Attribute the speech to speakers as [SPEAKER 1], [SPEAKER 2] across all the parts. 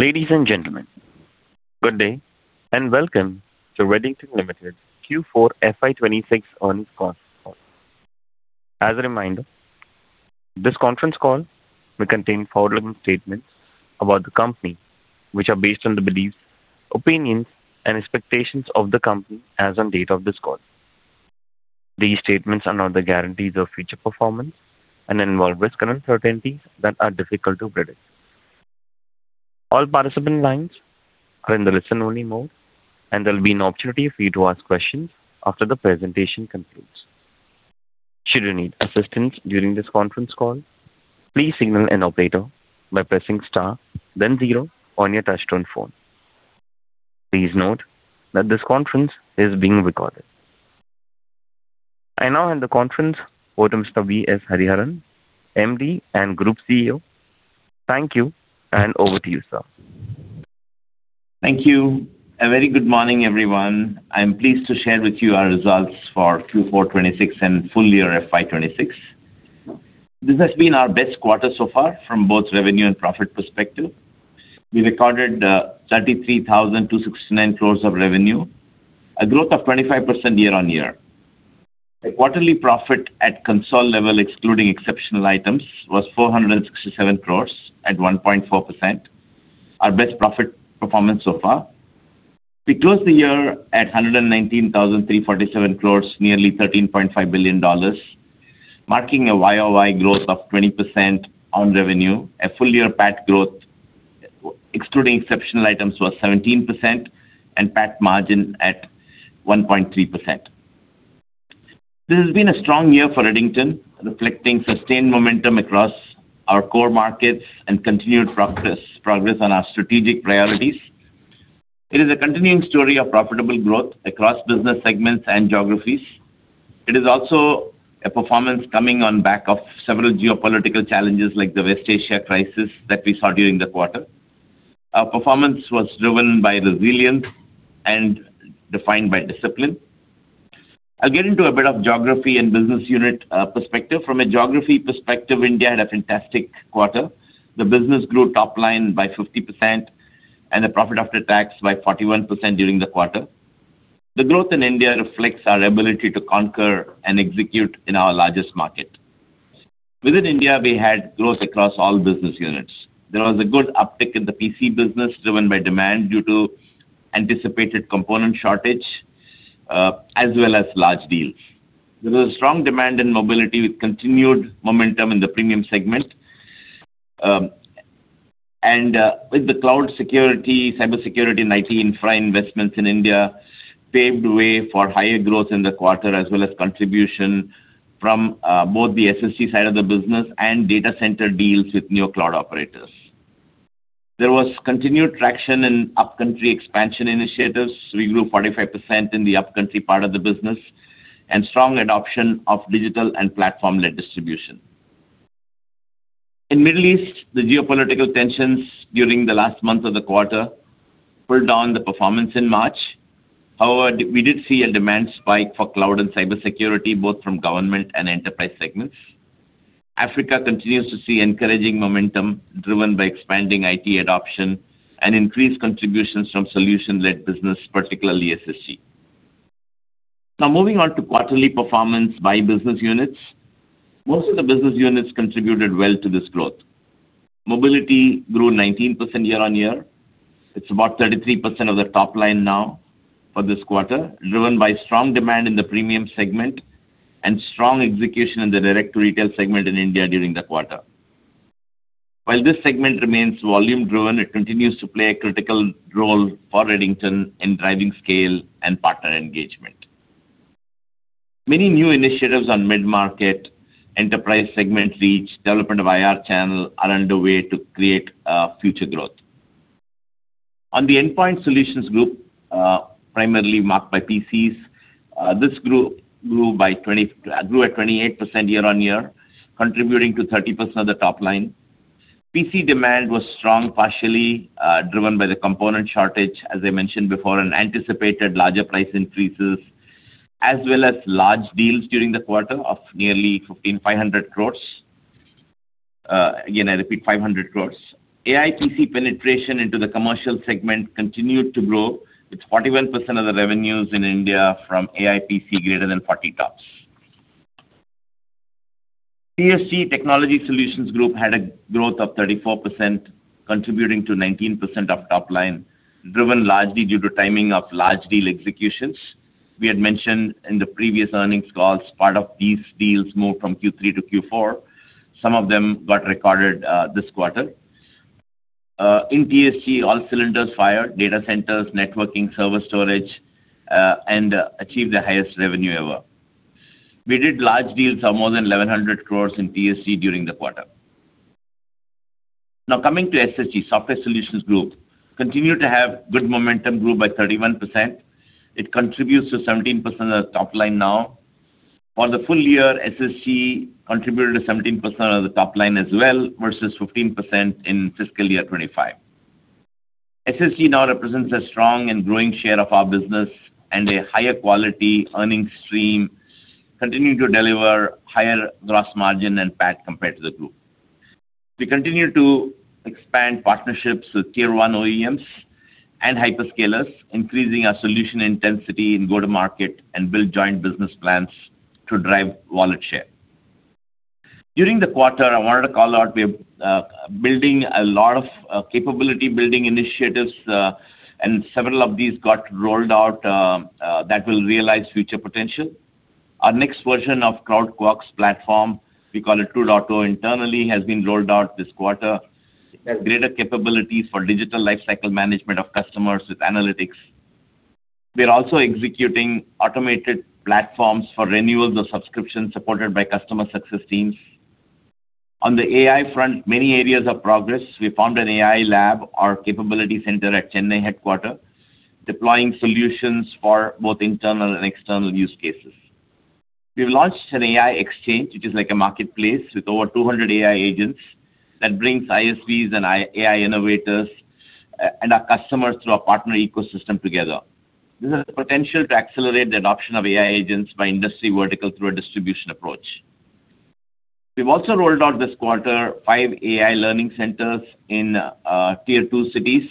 [SPEAKER 1] Ladies and gentlemen, good day and welcome to Redington Limited Q4 FY 2026 earnings conference call. As a reminder, this conference call may contain forward-looking statements about the company which are based on the beliefs, opinions, and expectations of the company as on date of this call. These statements are not the guarantees of future performance and involve risks and uncertainties that are difficult to predict. All participant lines are in the listen-only mode, and there'll be an opportunity for you to ask questions after the presentation concludes. Should you need assistance during this conference call, please signal an operator by pressing star zero on your touch-tone phone. Please note that this conference is being recorded. I now hand the conference over to Mr. V.S. Hariharan, MD and Group CEO. Thank you, and over to you, sir.
[SPEAKER 2] Thank you. A very good morning, everyone. I'm pleased to share with you our results for Q4 2026 and full year FY 2026. This has been our best quarter so far from both revenue and profit perspective. We recorded 33,269 crores of revenue, a growth of 25% year-on-year. The quarterly profit at consol level excluding exceptional items was 467 crores at 1.4%. Our best profit performance so far. We closed the year at 119,347 crores, nearly $13.5 billion, marking a Y-o-Y growth of 20% on revenue. A full year PAT growth excluding exceptional items was 17% and PAT margin at 1.3%. This has been a strong year for Redington, reflecting sustained momentum across our core markets and continued progress on our strategic priorities. It is a continuing story of profitable growth across business segments and geographies. It is also a performance coming on back of several geopolitical challenges like the West Asia crisis that we saw during the quarter. Our performance was driven by resilience and defined by discipline. I'll get into a bit of geography and business unit perspective. From a geography perspective, India had a fantastic quarter. The business grew top line by 50% and the profit after tax by 41% during the quarter. The growth in India reflects our ability to conquer and execute in our largest market. Within India, we had growth across all business units. There was a good uptick in the PC business driven by demand due to anticipated component shortage, as well as large deals. There was strong demand in mobility with continued momentum in the premium segment. With the cloud security, cybersecurity and IT infra investments in India paved way for higher growth in the quarter, as well as contribution from both the SSG side of the business and data center deals with new cloud operators. There was continued traction in upcountry expansion initiatives. We grew 45% in the upcountry part of the business and strong adoption of digital and platform-led distribution. In Middle East, the geopolitical tensions during the last month of the quarter pulled down the performance in March. We did see a demand spike for cloud and cybersecurity, both from government and enterprise segments. Africa continues to see encouraging momentum driven by expanding IT adoption and increased contributions from solution-led business, particularly SSG. Moving on to quarterly performance by business units. Most of the business units contributed well to this growth. Mobility grew 19% year-on-year. It's about 33% of the top line now for this quarter, driven by strong demand in the premium segment and strong execution in the direct-to-retail segment in India during the quarter. While this segment remains volume driven, it continues to play a critical role for Redington in driving scale and partner engagement. Many new initiatives on mid-market enterprise segment reach, development of IR channel are underway to create future growth. On the Endpoint Solutions Group, primarily marked by PCs, this group grew at 28% year-on-year, contributing to 30% of the top line. PC demand was strong, partially driven by the component shortage, as I mentioned before, and anticipated larger price increases as well as large deals during the quarter of nearly 500 crores. Again, I repeat 500 crores. AI PC penetration into the commercial segment continued to grow. It's 41% of the revenues in India from AI PC greater than 40 TOPS. TSG Technology Solutions Group had a growth of 34%, contributing to 19% of top line, driven largely due to timing of large deal executions. We had mentioned in the previous earnings calls, part of these deals moved from Q3 to Q4. Some of them got recorded this quarter. In TSG, all cylinders fired. Data centers, networking, server storage, and achieved the highest revenue ever. We did large deals of more than 1,100 crores in TSG during the quarter. Now coming to SSG, Software Solutions Group continued to have good momentum, grew by 31%. It contributes to 17% of the top line now. For the full year, SSG contributed to 17% of the top line as well versus 15% in fiscal year 2025. SSG now represents a strong and growing share of our business and a higher quality earning stream, continuing to deliver higher gross margin and PAT compared to the group. We continue to expand partnerships with Tier 1 OEMs and hyperscalers, increasing our solution intensity in go-to-market and build joint business plans to drive wallet share. During the quarter, I wanted to call out we are building a lot of capability building initiatives, and several of these got rolled out that will realize future potential. Our next version of CloudQuarks platform, we call it 2.0 internally, has been rolled out this quarter. It has greater capabilities for digital lifecycle management of customers with analytics. We are also executing automated platforms for renewals of subscriptions supported by customer success teams. On the AI front, many areas of progress. We formed an AI lab, our capability center at Chennai headquarter, deploying solutions for both internal and external use cases. We've launched an AI Exchange, which is like a marketplace with over 200 AI agents that brings ISVs and AI innovators and our customers through our partner ecosystem together. This has the potential to accelerate the adoption of AI agents by industry vertical through a distribution approach. We've also rolled out this quarter five AI learning centers in Tier 2 cities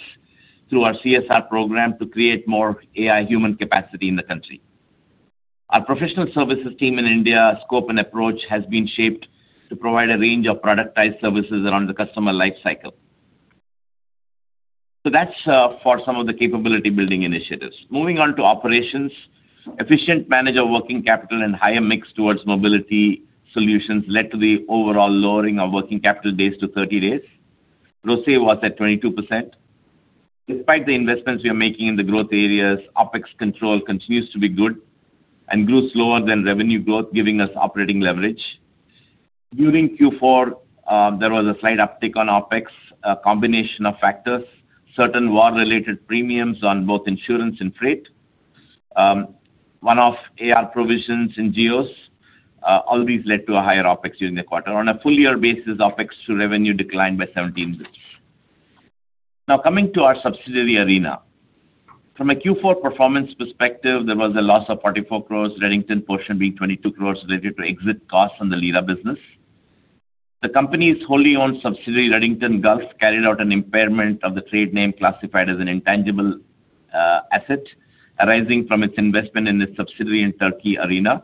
[SPEAKER 2] through our CSR program to create more AI human capacity in the country. Our professional services team in India scope and approach has been shaped to provide a range of productized services around the customer life cycle. That's for some of the capability building initiatives. Moving on to operations. Efficient manager working capital and higher mix towards mobility solutions led to the overall lowering of working capital days to 30 days. ROCE was at 22%. Despite the investments we are making in the growth areas, OpEx control continues to be good and grew slower than revenue growth, giving us operating leverage. During Q4, there was a slight uptick on OpEx, a combination of factors, certain war-related premiums on both insurance and freight. One-off AR provisions in geos, all these led to a higher OpEx during the quarter. On a full year basis, OpEx to revenue declined by 17 basis. Coming to our subsidiary Arena. From a Q4 performance perspective, there was a loss of 44 crores, Redington portion being 22 crores related to exit costs on the Lira business. The company's wholly owned subsidiary, Redington Gulf, carried out an impairment of the trade name classified as an intangible asset arising from its investment in the subsidiary in Turkey Arena.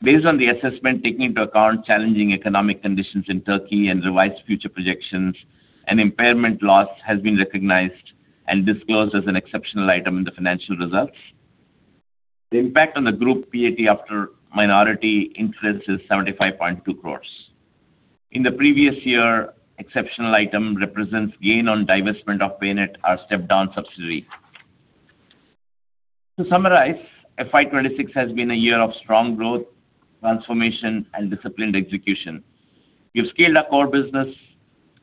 [SPEAKER 2] Based on the assessment taking into account challenging economic conditions in Turkey and revised future projections, an impairment loss has been recognized and disclosed as an exceptional item in the financial results. The impact on the group PAT after minority interest is 75.2 crores. In the previous year, exceptional item represents gain on divestment of Paynet, our step-down subsidiary. To summarize, FY 2026 has been a year of strong growth, transformation, and disciplined execution. We've scaled our core business,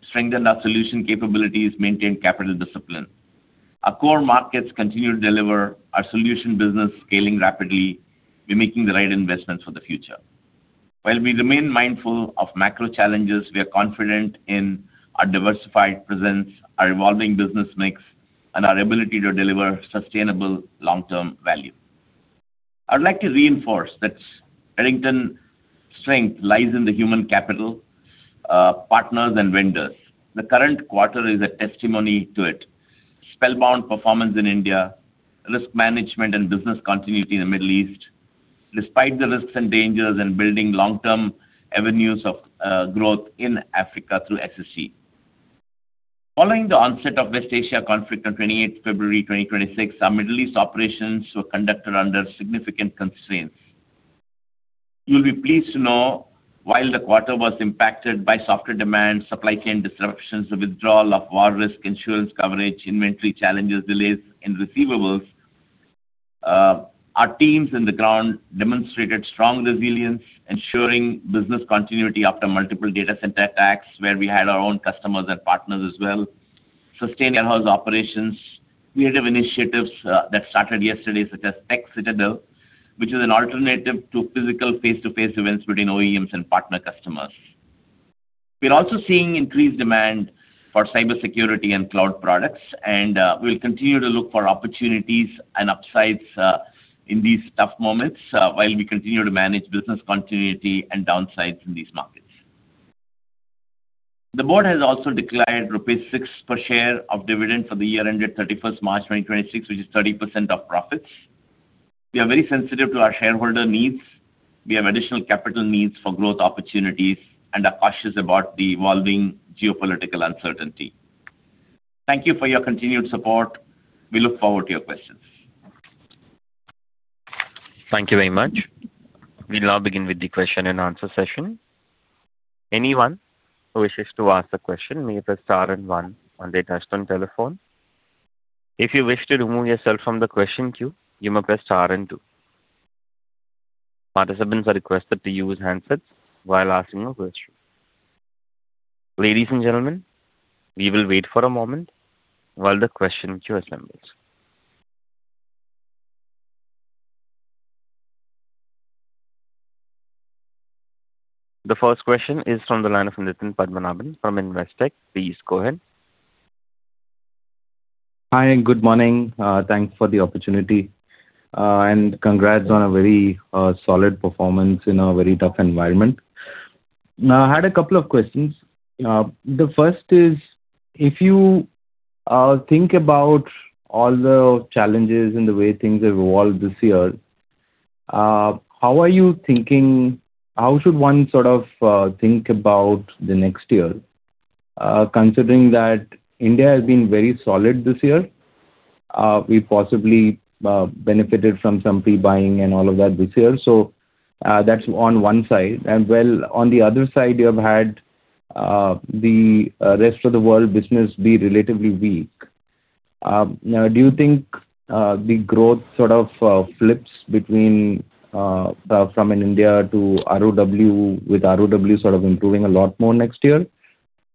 [SPEAKER 2] strengthened our solution capabilities, maintained capital discipline. Our core markets continue to deliver our solution business scaling rapidly. We're making the right investments for the future. While we remain mindful of macro challenges, we are confident in our diversified presence, our evolving business mix, and our ability to deliver sustainable long-term value. I'd like to reinforce that Redington strength lies in the human capital, partners and vendors. The current quarter is a testimony to it. Spellbound performance in India, risk management and business continuity in the Middle East, despite the risks and dangers in building long-term avenues of growth in Africa through SSG. Following the onset of West Asia conflict on 28 February 2026, our Middle East operations were conducted under significant constraints. You'll be pleased to know while the quarter was impacted by softer demand, supply chain disruptions, the withdrawal of war risk insurance coverage, inventory challenges, delays in receivables, our teams in the ground demonstrated strong resilience ensuring business continuity after multiple data center attacks where we had our own customers and partners as well, sustain in-house operations. We have initiatives that started yesterday, such as Tech Citadel, which is an alternative to physical face-to-face events between OEMs and partner customers. We're also seeing increased demand for cybersecurity and cloud products. We'll continue to look for opportunities and upsides in these tough moments while we continue to manage business continuity and downsides in these markets. The board has also declared rupees 6 per share of dividend for the year ended 31st March 2026, which is 30% of profits. We are very sensitive to our shareholder needs. We have additional capital needs for growth opportunities and are cautious about the evolving geopolitical uncertainty. Thank you for your continued support. We look forward to your questions.
[SPEAKER 1] Thank you very much. We will now begin with the question and answer session. Anyone who wishes to ask a question may press star and one on their touch-tone telephone. If you wish to remove yourself from the question queue, you may press star and two. Participants are requested to use handsets while asking a question. Ladies and gentlemen, we will wait for a moment while the question queue assembles. The first question is from the line of Nitin Padmanabhan from Investec. Please go ahead.
[SPEAKER 3] Hi, and good morning. Thanks for the opportunity. Congrats on a very, solid performance in a very tough environment. I had a couple of questions. The first is, if you, think about all the challenges and the way things have evolved this year, How should one sort of, think about the next year, considering that India has been very solid this year? We possibly, benefited from some pre-buying and all of that this year, so, that's on one side. Well, on the other side, you have had, the, rest of the world business be relatively weak. Now, do you think the growth sort of flips between from in India to ROW, with ROW sort of improving a lot more next year,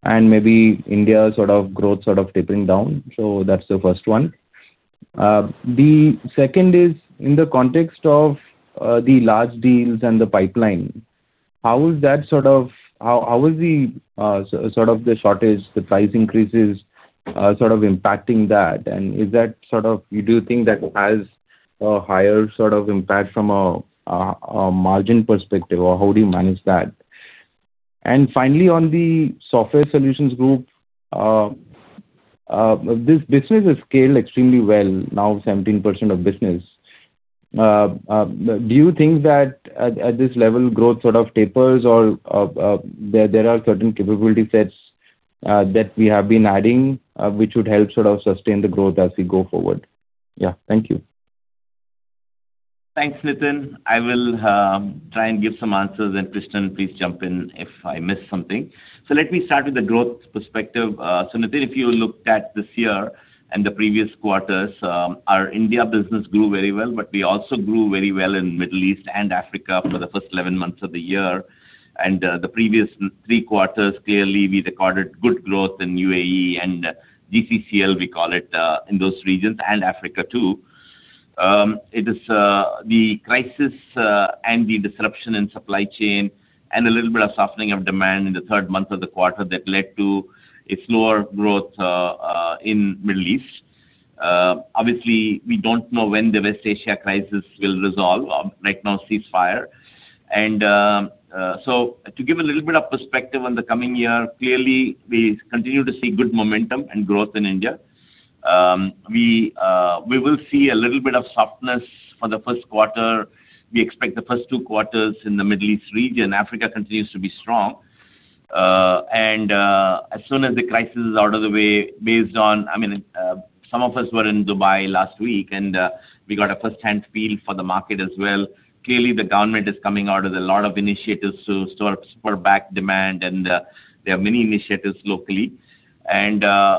[SPEAKER 3] and maybe India sort of growth sort of tapering down? That's the first one. The second is in the context of the large deals and the pipeline, How is the sort of the shortage, the price increases, sort of impacting that? Is that sort of Do you think that has a higher sort of impact from a margin perspective, or how do you manage that? Finally, on the Software Solutions Group, this business has scaled extremely well, now 17% of business. Do you think that at this level, growth sort of tapers or, there are certain capability sets that we have been adding, which would help sort of sustain the growth as we go forward? Yeah. Thank you.
[SPEAKER 2] Thanks, Nitin. I will try and give some answers, and Krishnan, please jump in if I miss something. Let me start with the growth perspective. Nitin, if you looked at this year and the previous quarters, our India business grew very well, but we also grew very well in Middle East and Africa for the first 11 months of the year. The previous three quarters, clearly we recorded good growth in UAE and GCCL, we call it, in those regions, and Africa too. It is the crisis and the disruption in supply chain and a little bit of softening of demand in the third month of the quarter that led to a slower growth in Middle East. Obviously we don't know when the West Asia crisis will resolve or right now ceasefire. To give a little bit of perspective on the coming year, clearly we continue to see good momentum and growth in India. We will see a little bit of softness for the first quarter. We expect the first two quarters in the Middle East region. Africa continues to be strong. As soon as the crisis is out of the way, based on, I mean, some of us were in Dubai last week, we got a firsthand feel for the market as well. Clearly, the government is coming out with a lot of initiatives to sort of support back demand, there are many initiatives locally.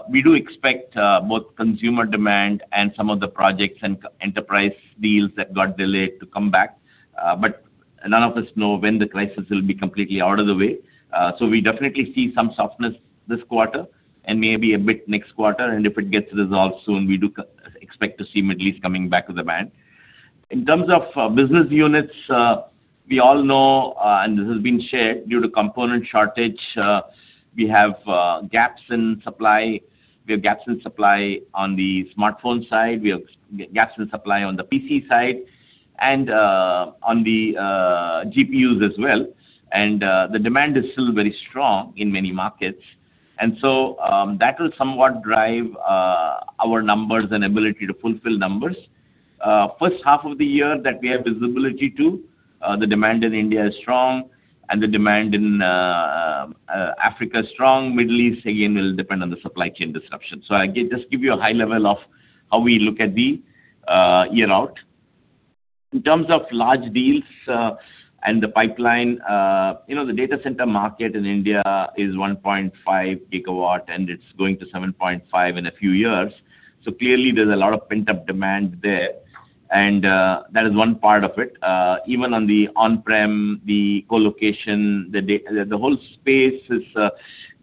[SPEAKER 2] We do expect both consumer demand and some of the projects and enterprise deals that got delayed to come back. None of us know when the crisis will be completely out of the way. We definitely see some softness this quarter and maybe a bit next quarter. If it gets resolved soon, we do expect to see Middle East coming back to demand. In terms of business units, we all know, this has been shared, due to component shortage, we have gaps in supply. We have gaps in supply on the smartphone side. We have gaps in supply on the PC side and on the GPUs as well. The demand is still very strong in many markets. That will somewhat drive our numbers and ability to fulfill numbers. First half of the year that we have visibility to, the demand in India is strong and the demand in Africa is strong. Middle East, again, will depend on the supply chain disruption. I just give you a high level of how we look at the year out. In terms of large deals, and the pipeline, you know, the data center market in India is 1.5 GW and it's going to 7.5 GW in a few years. Clearly there's a lot of pent-up demand there and that is one part of it. Even on the on-prem, the co-location, the whole space has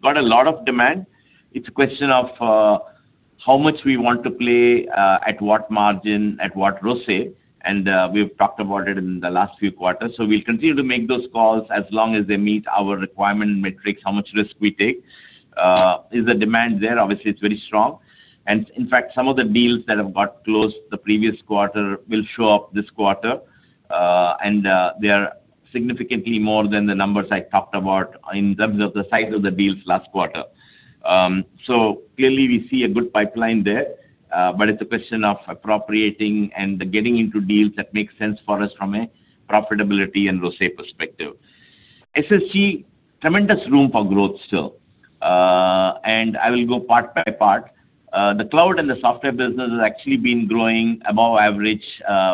[SPEAKER 2] got a lot of demand. It's a question of how much we want to play, at what margin, at what ROCE, and we've talked about it in the last few quarters. We'll continue to make those calls as long as they meet our requirement metrics, how much risk we take. Is the demand there? Obviously, it's very strong. In fact, some of the deals that have got closed the previous quarter will show up this quarter. They are significantly more than the numbers I talked about in terms of the size of the deals last quarter. Clearly we see a good pipeline there, but it's a question of appropriating and getting into deals that make sense for us from a profitability and ROCE perspective. SSG, tremendous room for growth still. I will go part by part. The cloud and the software business has actually been growing above average.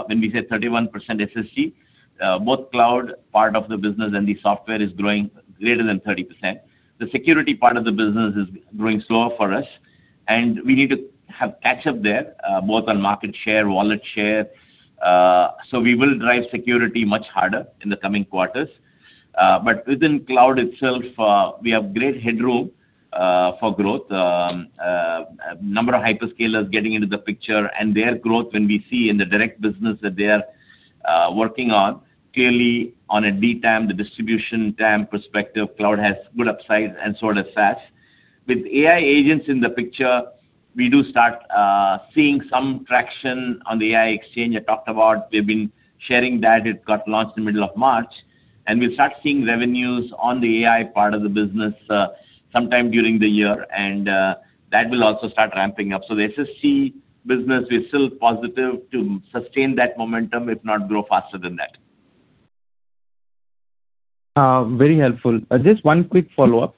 [SPEAKER 2] When we say 31% SSG, both cloud part of the business and the software is growing greater than 30%. The security part of the business is growing slower for us, and we need to have catch up there, both on market share, wallet share. We will drive security much harder in the coming quarters. Within cloud itself, we have great headroom for growth. A number of hyperscalers getting into the picture and their growth when we see in the direct business that they are working on. Clearly on a DTAM, the distribution TAM perspective, cloud has good upside and so does SaaS. With AI agents in the picture, we do start seeing some traction on the AI Exchange I talked about. We've been sharing that. It got launched in the middle of March. We'll start seeing revenues on the AI part of the business, sometime during the year, and that will also start ramping up. The SSG business, we're still positive to sustain that momentum, if not grow faster than that.
[SPEAKER 3] Very helpful. Just one quick follow-up.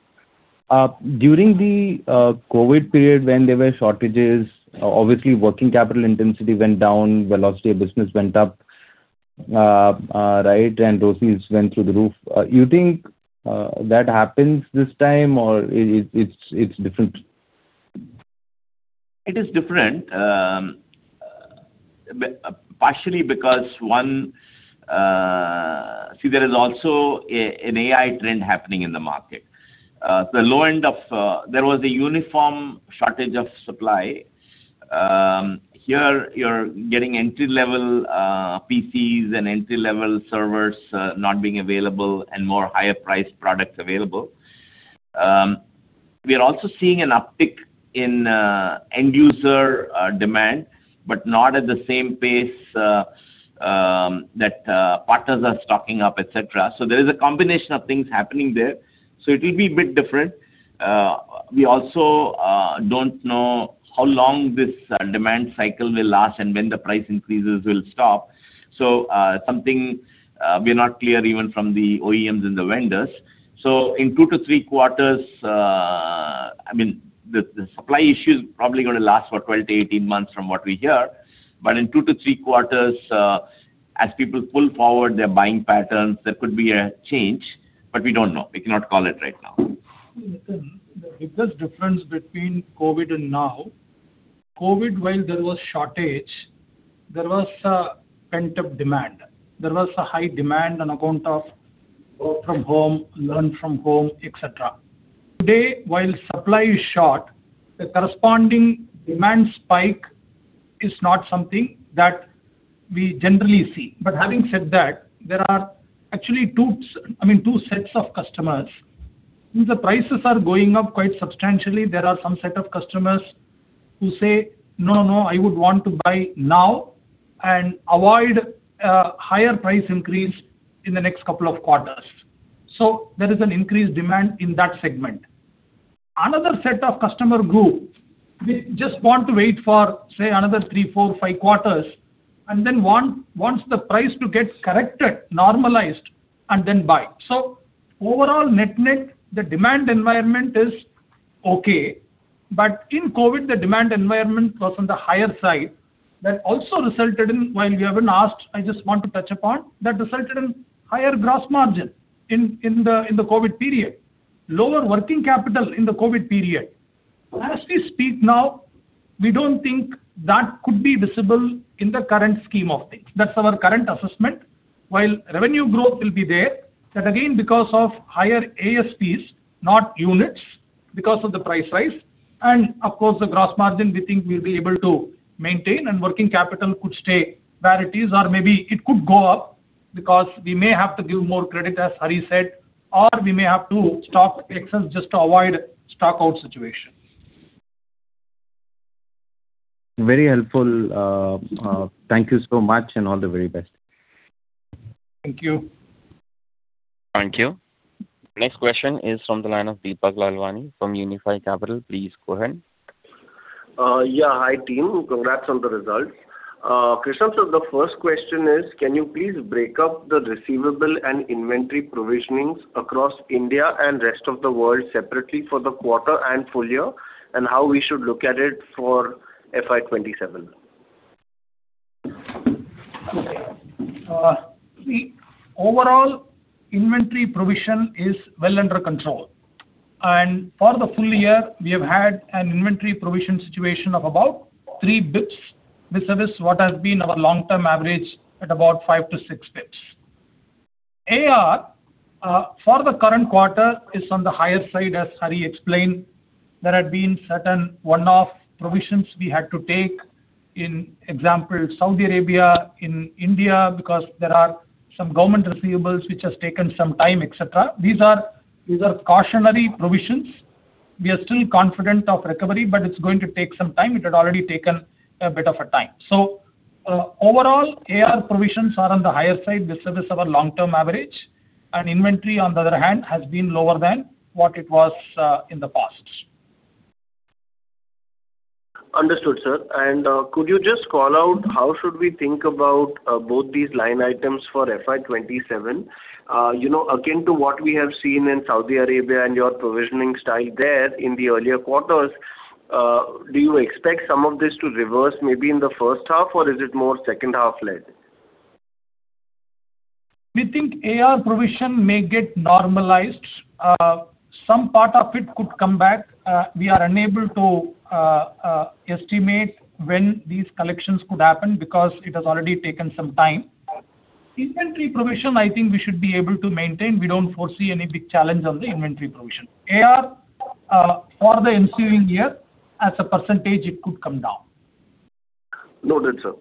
[SPEAKER 3] During the COVID period when there were shortages, obviously working capital intensity went down, velocity of business went up, right? ROCEs went through the roof. You think that happens this time or it's different?
[SPEAKER 2] It is different. Partially because, one, there is also an AI trend happening in the market. The low end of There was a uniform shortage of supply. Here you're getting entry-level PCs and entry-level servers not being available and more higher priced products available. We are also seeing an uptick in end user demand, but not at the same pace that partners are stocking up, et cetera. There is a combination of things happening there, so it will be a bit different. We also don't know how long this demand cycle will last and when the price increases will stop. Something we're not clear even from the OEMs and the vendors. In two to three quarters, I mean, the supply issue is probably gonna last for 12-18 months from what we hear. In two to three quarters, as people pull forward their buying patterns, there could be a change, but we don't know. We cannot call it right now.
[SPEAKER 4] Nitin, the biggest difference between COVID and now, COVID when there was shortage, there was a pent-up demand. There was a high demand on account of work from home, learn from home, et cetera. Today, while supply is short, the corresponding demand spike is not something that we generally see. Having said that, there are actually I mean, two sets of customers. Since the prices are going up quite substantially, there are some set of customers who say, "No, no, I would want to buy now and avoid a higher price increase in the next couple of quarters." There is an increased demand in that segment. Another set of customer group, they just want to wait for, say, another three, four, five quarters, and then wants the price to get corrected, normalized, and then buy. Overall net-net, the demand environment is okay. In COVID, the demand environment was on the higher side. That also resulted in, while you haven't asked, I just want to touch upon, that resulted in higher gross margin in the COVID period. Lower working capital in the COVID period. As we speak now, we don't think that could be visible in the current scheme of things. That's our current assessment. While revenue growth will be there, that again because of higher ASPs, not units, because of the price rise. Of course the gross margin we think we'll be able to maintain, and working capital could stay where it is or maybe it could go up because we may have to give more credit, as Hari said, or we may have to stock excess just to avoid stockout situations.
[SPEAKER 3] Very helpful. Thank you so much and all the very best.
[SPEAKER 4] Thank you.
[SPEAKER 1] Thank you. Next question is from the line of Deepak Lalwani from Unifi Capital. Please go ahead.
[SPEAKER 5] Yeah. Hi, team. Congrats on the results. Krishnan, the first question is, can you please break up the receivable and inventory provisionings across India and rest of the world separately for the quarter and full year, and how we should look at it for FY 2027?
[SPEAKER 4] The overall inventory provision is well under control. For the full year, we have had an inventory provision situation of about 3 basis points. This is what has been our long-term average at about 5-6 basis points. AR, for the current quarter, is on the higher side, as Hari explained. There had been certain one-off provisions we had to take. For example, Saudi Arabia, in India, because there are some government receivables which has taken some time, et cetera. These are cautionary provisions. We are still confident of recovery, but it's going to take some time. It had already taken a bit of a time. Overall, AR provisions are on the higher side vis-a-vis our long-term average. Inventory on the other hand has been lower than what it was in the past.
[SPEAKER 5] Understood, sir. Could you just call out how should we think about both these line items for FY 2027? you know, akin to what we have seen in Saudi Arabia and your provisioning style there in the earlier quarters, do you expect some of this to reverse maybe in the first half or is it more second half led?
[SPEAKER 4] We think AR provision may get normalized. Some part of it could come back. We are unable to estimate when these collections could happen because it has already taken some time. Inventory provision I think we should be able to maintain. We don't foresee any big challenge on the inventory provision. AR, for the ensuing year, as a percentage, it could come down.
[SPEAKER 5] Noted, sir.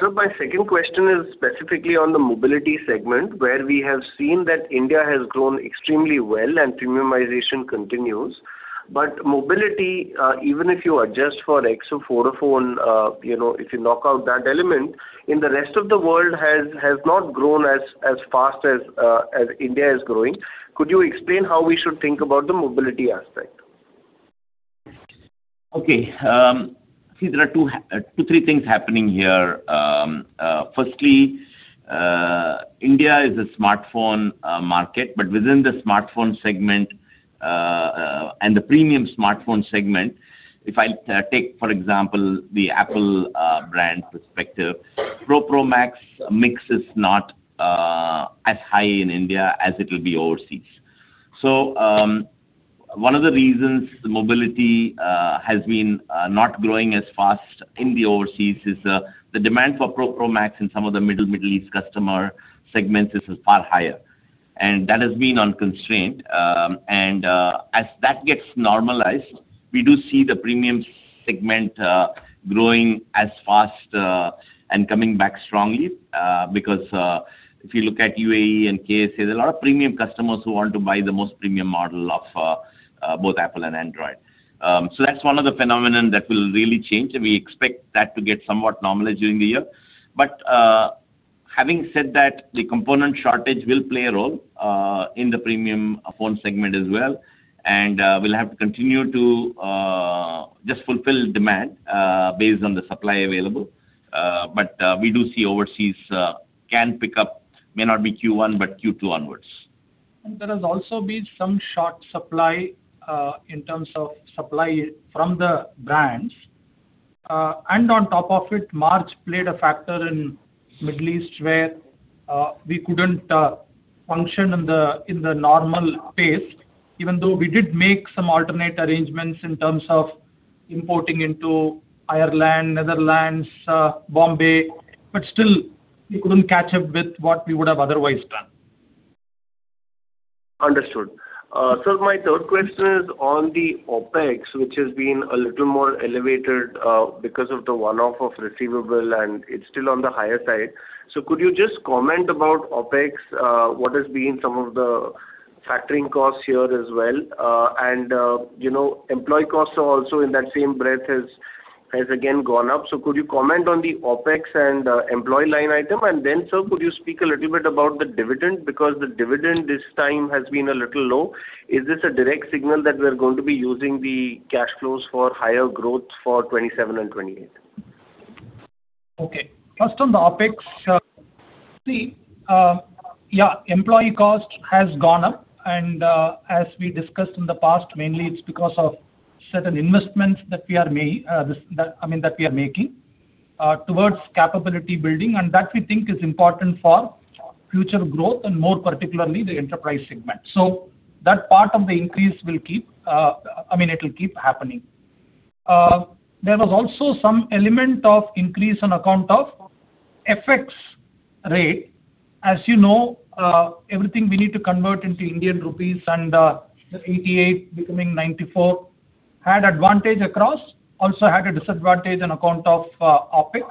[SPEAKER 5] Sir, my second question is specifically on the mobility segment, where we have seen that India has grown extremely well and premiumization continues. Mobility, even if you adjust for exo-four-o-phone, you know, if you knock out that element, in the rest of the world has not grown as fast as India is growing. Could you explain how we should think about the mobility aspect?
[SPEAKER 2] Okay. See there are two, three things happening here. Firstly, India is a smartphone market, but within the smartphone segment, and the premium smartphone segment, if I take for example the Apple brand perspective, Pro Max mix is not as high in India as it will be overseas. One of the reasons mobility has been not growing as fast in the overseas is the demand for Pro Max in some of the Middle East customer segments is far higher. As that gets normalized, we do see the premium segment growing as fast and coming back strongly. Because if you look at UAE and KSA, there are a lot of premium customers who want to buy the most premium model of both Apple and Android. That's one of the phenomenon that will really change, and we expect that to get somewhat normalized during the year. Having said that, the component shortage will play a role in the premium phone segment as well. We'll have to continue to just fulfill demand based on the supply available. But we do see overseas can pick up, may not be Q1, but Q2 onwards.
[SPEAKER 4] There has also been some short supply in terms of supply from the brands. On top of it, March played a factor in Middle East where we couldn't function in the normal pace. Even though we did make some alternate arrangements in terms of importing into Ireland, Netherlands, Bombay, but still we couldn't catch up with what we would have otherwise done.
[SPEAKER 5] Understood. Sir, my third question is on the OpEx, which has been a little more elevated, because of the one-off of receivable, and it's still on the higher side. Could you just comment about OpEx, what has been some of the factoring costs here as well? You know, employee costs are also in that same breath has again gone up. Could you comment on the OpEx and, employee line item? Sir, could you speak a little bit about the dividend? The dividend this time has been a little low. Is this a direct signal that we're going to be using the cash flows for higher growth for 2027 and 2028?
[SPEAKER 4] Okay. First on the OpEx, employee cost has gone up. As we discussed in the past, mainly it's because of certain investments that we are making towards capability building, and that we think is important for future growth and more particularly the enterprise segment. That part of the increase will keep happening. There was also some element of increase on account of FX rate. As you know, everything we need to convert into Indian rupees and the 88 becoming 94 had advantage across, also had a disadvantage on account of OpEx.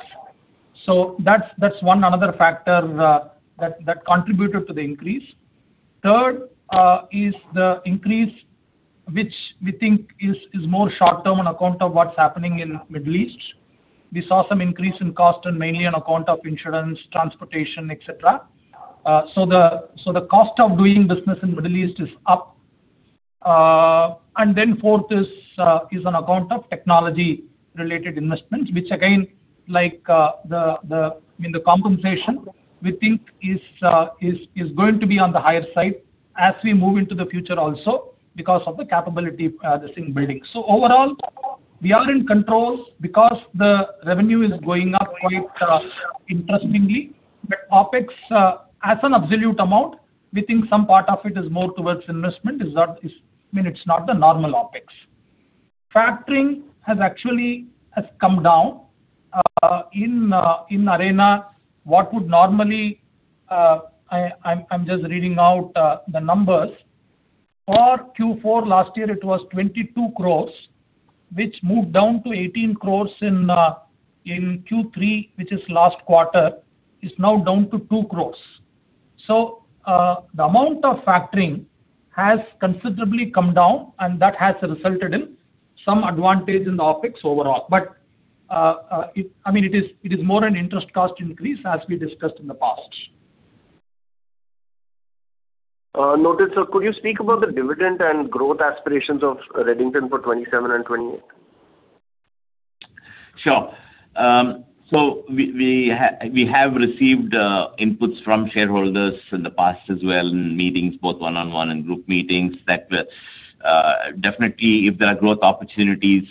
[SPEAKER 4] That's one another factor that contributed to the increase. Third, is the increase which we think is more short term on account of what's happening in Middle East. We saw some increase in cost mainly on account of insurance, transportation, et cetera. The cost of doing business in Middle East is up. Then fourth is on account of technology-related investments, which again, like, I mean, the compensation we think is going to be on the higher side as we move into the future also because of the capability, this thing building. Overall, we are in control because the revenue is going up quite interestingly. OpEx, as an absolute amount, we think some part of it is more towards investment. That is, I mean, it's not the normal OpEx. Factoring has actually come down in Arena. What would normally, I'm just reading out the numbers. For Q4 last year, it was 22 crores, which moved down to 18 crores in Q3, which is last quarter, is now down to 2 crores. The amount of factoring has considerably come down, and that has resulted in some advantage in the OpEx overall. But, I mean, it is more an interest cost increase as we discussed in the past.
[SPEAKER 5] Noted. Sir, could you speak about the dividend and growth aspirations of Redington for 2027 and 2028?
[SPEAKER 2] Sure. We have received inputs from shareholders in the past as well in meetings, both one-on-one and group meetings, that definitely if there are growth opportunities,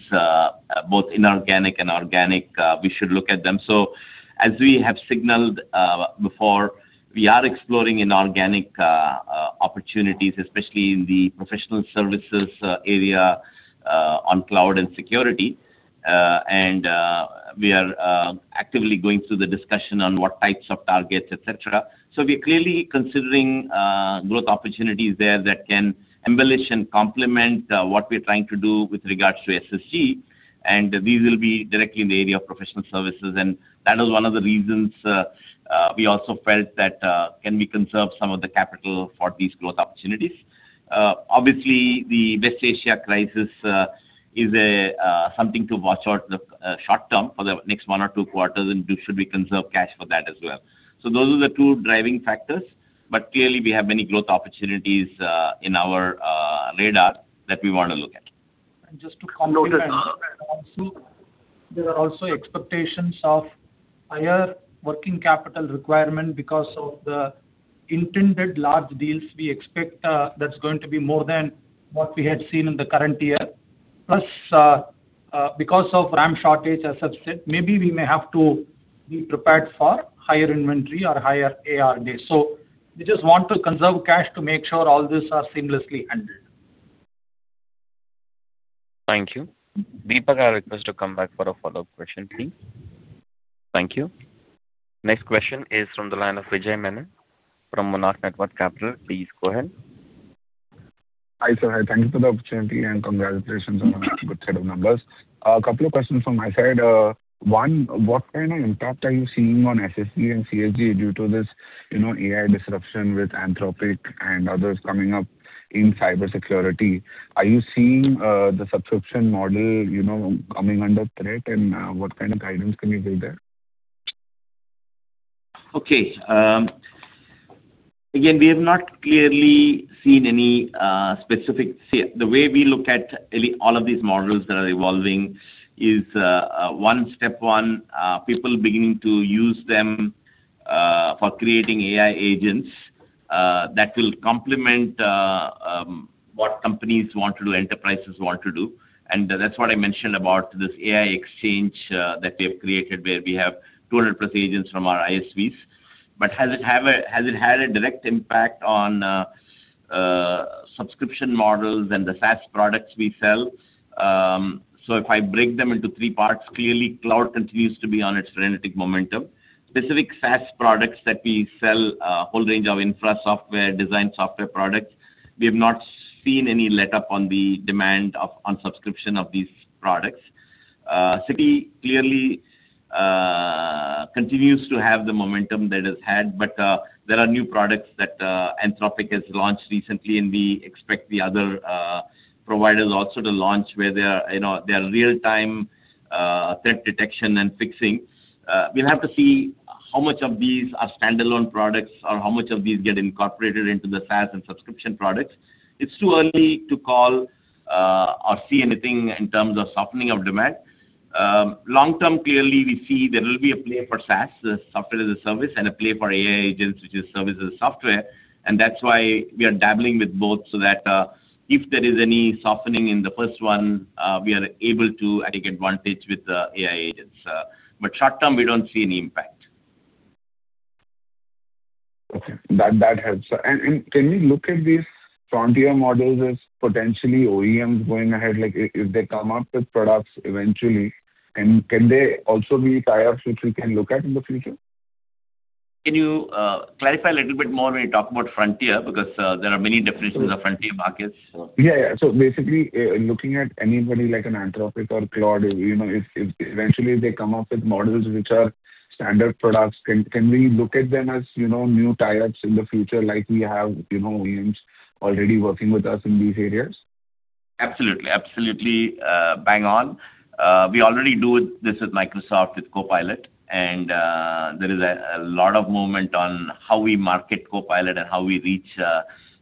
[SPEAKER 2] both inorganic and organic, we should look at them. As we have signaled before, we are exploring inorganic opportunities, especially in the professional services area, on cloud and security. We are actively going through the discussion on what types of targets, et cetera. We're clearly considering growth opportunities there that can embellish and complement what we're trying to do with regards to SSG, and these will be directly in the area of professional services. That is one of the reasons we also felt that can we conserve some of the capital for these growth opportunities. Obviously the West Asia crisis is something to watch out the short term for the next one or two quarters, and we should conserve cash for that as well. Those are the two driving factors. Clearly we have many growth opportunities in our radar that we wanna look at.
[SPEAKER 4] And just to complement-
[SPEAKER 2] No, go ahead.
[SPEAKER 4] There are also expectations of higher working capital requirement because of the intended large deals we expect, that's going to be more than what we had seen in the current year. Because of RAM shortage, as subset, maybe we may have to be prepared for higher inventory or higher AR days. We just want to conserve cash to make sure all these are seamlessly handled.
[SPEAKER 1] Thank you. Deepak, I request you to come back for a follow-up question, please. Thank you. Next question is from the line of Vijay Menon from Monarch Networth Capital. Please go ahead.
[SPEAKER 6] Hi, sir. Hi, thank you for the opportunity and congratulations on a good set of numbers. A couple of questions from my side. One, what kind of impact are you seeing on SSG and CSG due to this, you know, AI disruption with Anthropic and others coming up in cybersecurity? Are you seeing, the subscription model, you know, coming under threat? What kind of guidance can you give there?
[SPEAKER 2] Okay. Again, we have not clearly seen any specific. The way we look at all of these models that are evolving is, one, step one, people beginning to use them for creating AI agents that will complement what companies want to do, enterprises want to do. That's what I mentioned about this AI Exchange that we have created, where we have 200+ agents from our ISVs. Has it had a direct impact on subscription models and the SaaS products we sell? If I break them into three parts, clearly cloud continues to be on its frenetic momentum. Specific SaaS products that we sell, a whole range of infra software, design software products, we have not seen any letup on the demand of, on subscription of these products. City clearly continues to have the momentum that it's had, but there are new products that Anthropic has launched recently, and we expect the other providers also to launch where they are, you know, their real-time threat detection and fixing. We'll have to see how much of these are standalone products or how much of these get incorporated into the SaaS and subscription products. It's too early to call or see anything in terms of softening of demand. Long term, clearly we see there will be a play for SaaS, the software as a service, and a play for AI agents, which is service as a software. That's why we are dabbling with both, so that if there is any softening in the first one, we are able to take advantage with the AI agents. Short term, we don't see any impact.
[SPEAKER 6] Okay. That helps. Can we look at these frontier models as potentially OEMs going ahead? If they come up with products eventually, can they also be tie-ups which we can look at in the future?
[SPEAKER 2] Can you clarify a little bit more when you talk about frontier? There are many definitions of frontier markets.
[SPEAKER 6] Yeah, yeah. Basically, looking at anybody like an Anthropic or Claude, you know, if eventually they come up with models which are standard products, can we look at them as, you know, new tie-ups in the future like we have, you know, OEMs already working with us in these areas?
[SPEAKER 2] Absolutely. Absolutely, bang on. We already do this with Microsoft with Copilot and there is a lot of movement on how we market Copilot and how we reach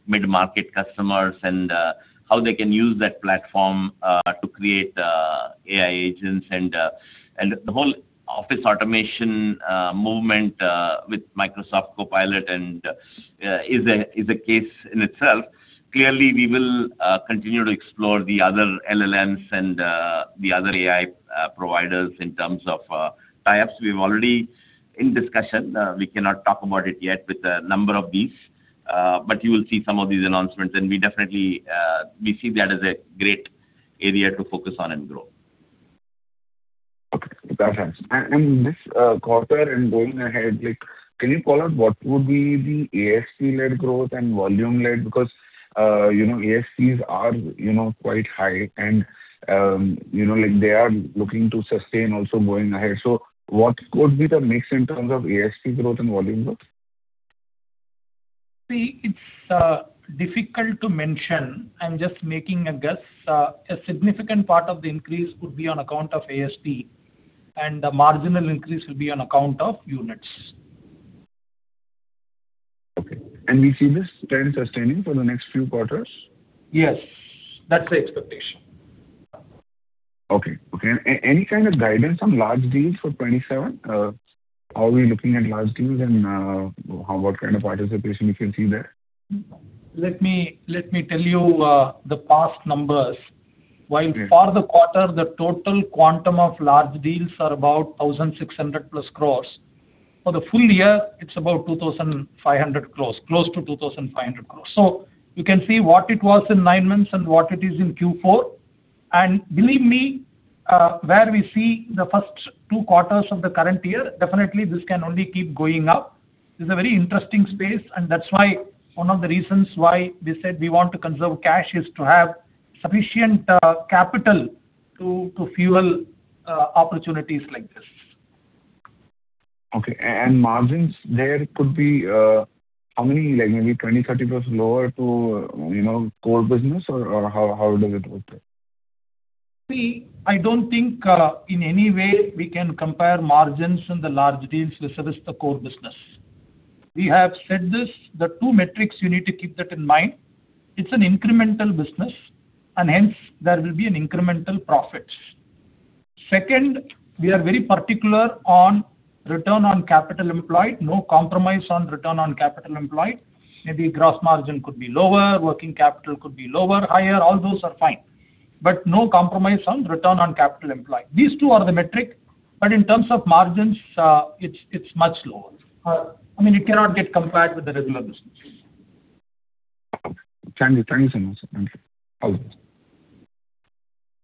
[SPEAKER 2] mid-market customers and how they can use that platform to create AI agents and the whole office automation movement with Microsoft Copilot is a case in itself. Clearly, we will continue to explore the other LLMs and the other AI providers in terms of tie-ups. We're already in discussion. We cannot talk about it yet with a number of these, but you will see some of these announcements, and we definitely, we see that as a great area to focus on and grow.
[SPEAKER 6] Okay. That helps. This quarter and going ahead, can you call out what would be the ASP-led growth and volume-led? ASPs are quite high and they are looking to sustain also going ahead. What could be the mix in terms of ASP growth and volume growth?
[SPEAKER 4] See, it's difficult to mention. I'm just making a guess. A significant part of the increase would be on account of ASP, and the marginal increase will be on account of units.
[SPEAKER 6] Okay. We see this trend sustaining for the next few quarters?
[SPEAKER 4] Yes. That's the expectation.
[SPEAKER 6] Okay. Okay. Any kind of guidance on large deals for 2027? How are we looking at large deals and what kind of participation we can see there?
[SPEAKER 4] Let me tell you the past numbers.
[SPEAKER 6] Yeah.
[SPEAKER 4] While for the quarter, the total quantum of large deals are about 1,600+ crores. For the full year, it's about 2,500 crores, close to 2,500 crores. You can see what it was in nine months and what it is in Q4. Believe me, where we see the first two quarters of the current year, definitely this can only keep going up. This is a very interesting space, that's why one of the reasons why we said we want to conserve cash is to have sufficient capital to fuel opportunities like this.
[SPEAKER 6] Okay. Margins there could be, how many? Like maybe 20%, 30% lower to, you know, core business or how does it work there?
[SPEAKER 4] See, I don't think, in any way we can compare margins in the large deals vis-a-vis the core business. We have said this. The two metrics you need to keep that in mind. It's an incremental business, and hence there will be an incremental profit. Second, we are very particular on Return on Capital Employed, no compromise on Return on Capital Employed. Maybe gross margin could be lower, working capital could be lower, higher, all those are fine. No compromise on Return on Capital Employed. These two are the metric. In terms of margins, it's much lower. I mean, it cannot get compared with the regular business.
[SPEAKER 6] Okay. Thank you. Thank you so much. Thank you. Over.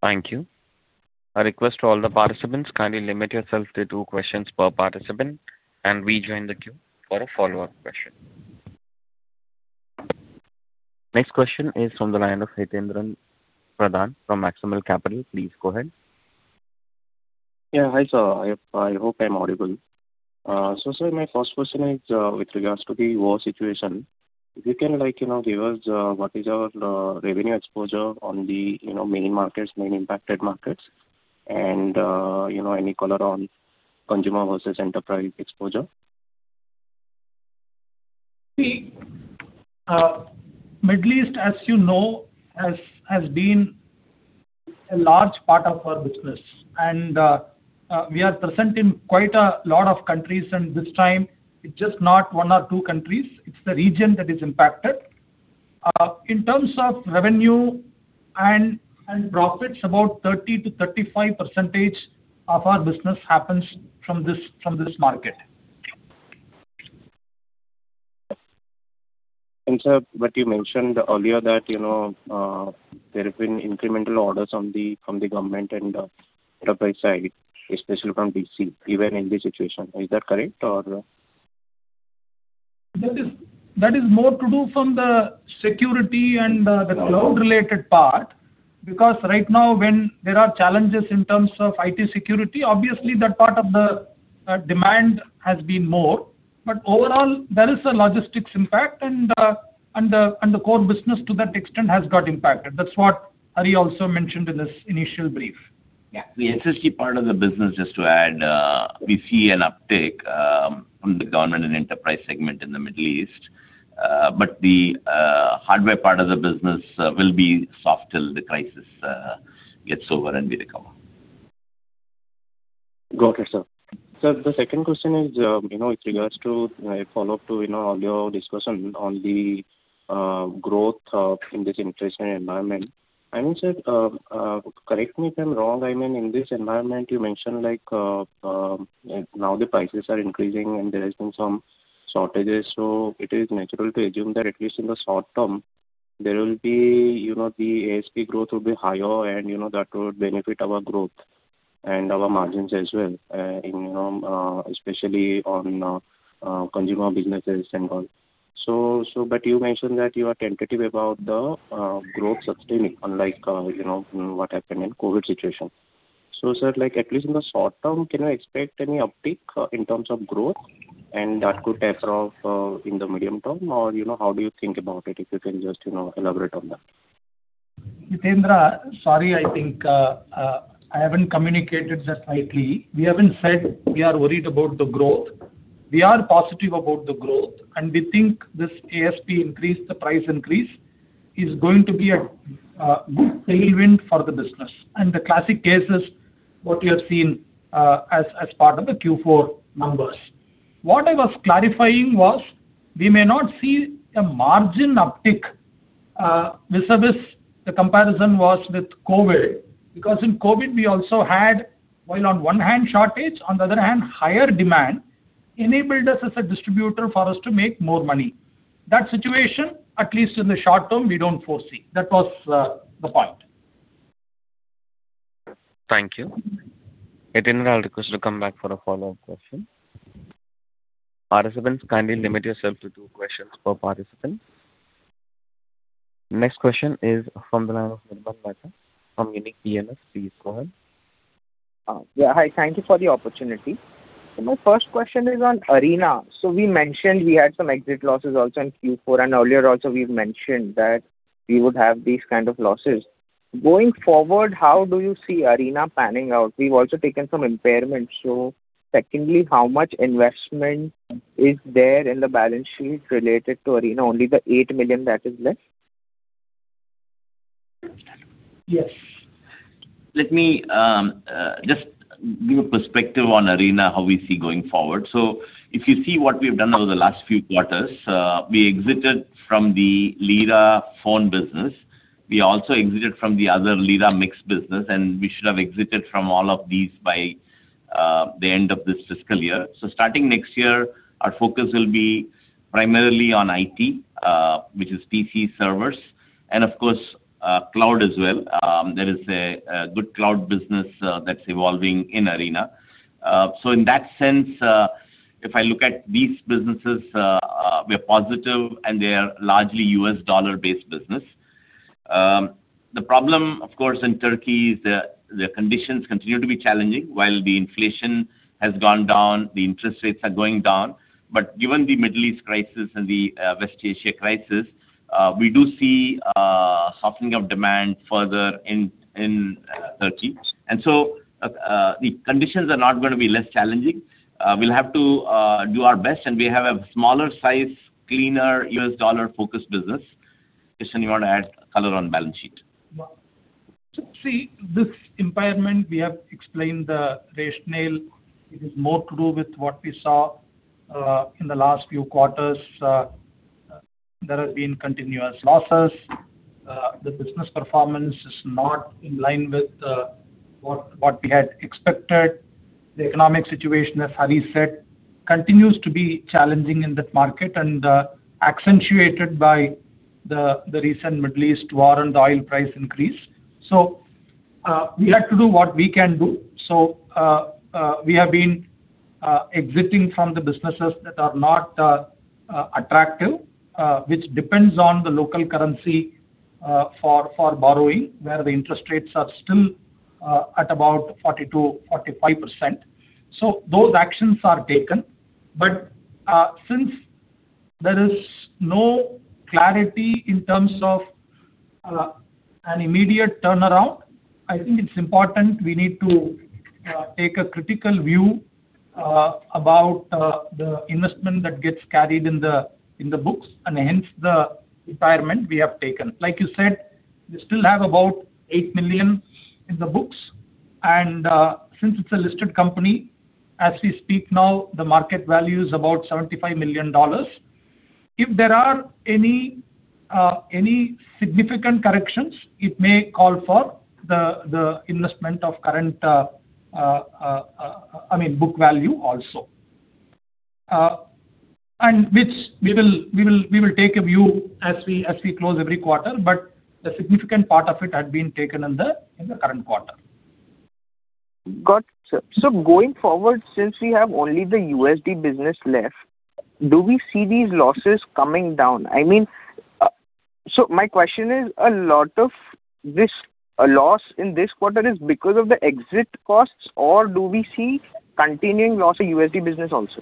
[SPEAKER 1] Thank you. A request to all the participants, kindly limit yourself to two questions per participant and rejoin the queue for a follow-up question. Next question is from the line of Hitaindra Pradhan from Maximal Capital. Please go ahead.
[SPEAKER 7] Yeah. Hi, sir. I hope I'm audible. Sir, my first question is with regards to the war situation. If you can like, you know, give us what is our revenue exposure on the, you know, main markets, main impacted markets and, you know, any color on consumer versus enterprise exposure?
[SPEAKER 4] See, Middle East, as you know, has been a large part of our business. We are present in quite a lot of countries, and this time it's just not one or two countries, it's the region that is impacted. In terms of revenue and profits, about 30%-35% of our business happens from this market.
[SPEAKER 7] Sir, you mentioned earlier that, you know, there have been incremental orders from the government and enterprise side, especially from DC, even in this situation. Is that correct or?
[SPEAKER 4] That is more to do from the security and the cloud-related part. Right now when there are challenges in terms of IT security, obviously that part of the demand has been more. Overall, there is a logistics impact and the core business to that extent has got impacted. That's what Hari also mentioned in his initial brief.
[SPEAKER 2] The SSG part of the business, just to add, we see an uptick from the government and enterprise segment in the Middle East. The hardware part of the business will be soft till the crisis gets over and we recover.
[SPEAKER 7] Got it, sir. Sir, the second question is, you know, with regards to, a follow-up to, you know, your discussion on the growth in this inflationary environment. I mean, sir, correct me if I'm wrong. I mean, in this environment you mentioned like, now the prices are increasing and there has been some shortages. It is natural to assume that at least in the short term there will be, you know, the ASP growth will be higher and, you know, that would benefit our growth and our margins as well. You know, especially on consumer businesses and all. But you mentioned that you are tentative about the growth sustaining unlike, you know, what happened in COVID situation. Sir, like at least in the short term, can I expect any uptick in terms of growth and that could taper off in the medium term? You know, how do you think about it, if you can just, you know, elaborate on that?
[SPEAKER 4] Hitaindra, sorry, I think I haven't communicated that rightly. We haven't said we are worried about the growth. We are positive about the growth, and we think this ASP increase, the price increase, is going to be a good tailwind for the business. The classic case is what you have seen as part of the Q4 numbers. What I was clarifying was we may not see a margin uptick vis-a-vis the comparison was with COVID. Because in COVID, we also had, while on one hand shortage, on the other hand, higher demand enabled us as a distributor for us to make more money. That situation, at least in the short term, we don't foresee. That was the point.
[SPEAKER 1] Thank you. Hitaindra, I'll request you to come back for a follow-up question. Participants, kindly limit yourself to two questions per participant. Next question is from the line of Nirban Mehta from UniCNS. Please go ahead.
[SPEAKER 8] Yeah. Hi. Thank you for the opportunity. My first question is on Arena. We mentioned we had some exit losses also in Q4, and earlier also we've mentioned that we would have these kind of losses. Going forward, how do you see Arena panning out? We've also taken some impairments. Secondly, how much investment is there in the balance sheet related to Arena? Only the 8 million that is left?
[SPEAKER 4] Yes.
[SPEAKER 2] Let me just give a perspective on Arena, how we see going forward. If you see what we've done over the last few quarters, we exited from the Lira phone business. We also exited from the other Lira mixed business, and we should have exited from all of these by the end of this fiscal year. Starting next year, our focus will be primarily on IT, which is PC servers, and of course, cloud as well. There is a good cloud business that's evolving in Arena. In that sense, if I look at these businesses, we're positive and they are largely US dollar-based business. The problem, of course, in Turkey is the conditions continue to be challenging. While the inflation has gone down, the interest rates are going down. Given the Middle East crisis and the West Asia crisis, we do see a softening of demand further in Turkey. The conditions are not going to be less challenging. We'll have to do our best, and we have a smaller size, cleaner US dollar-focused business. Krishnan, you want to add color on balance sheet?
[SPEAKER 4] Yeah. See, this impairment, we have explained the rationale. It is more to do with what we saw in the last few quarters. There have been continuous losses. The business performance is not in line with what we had expected. The economic situation, as Hari said, continues to be challenging in that market and accentuated by the recent Middle East war and the oil price increase. We have to do what we can do. We have been exiting from the businesses that are not attractive, which depends on the local currency for borrowing, where the interest rates are still at about 42%, 45%. Those actions are taken. Since there is no clarity in terms of an immediate turnaround, I think it's important we need to take a critical view about the investment that gets carried in the books and hence the impairment we have taken. Like you said, we still have about 8 million in the books. Since it's a listed company, as we speak now, the market value is about $75 million. If there are any significant corrections, it may call for the investment of current, I mean, book value also. Which we will take a view as we close every quarter, but the significant part of it had been taken in the current quarter.
[SPEAKER 8] Got it, sir. Going forward, since we have only the USD business left, do we see these losses coming down? I mean, my question is, a lot of this loss in this quarter is because of the exit costs or do we see continuing loss of USD business also?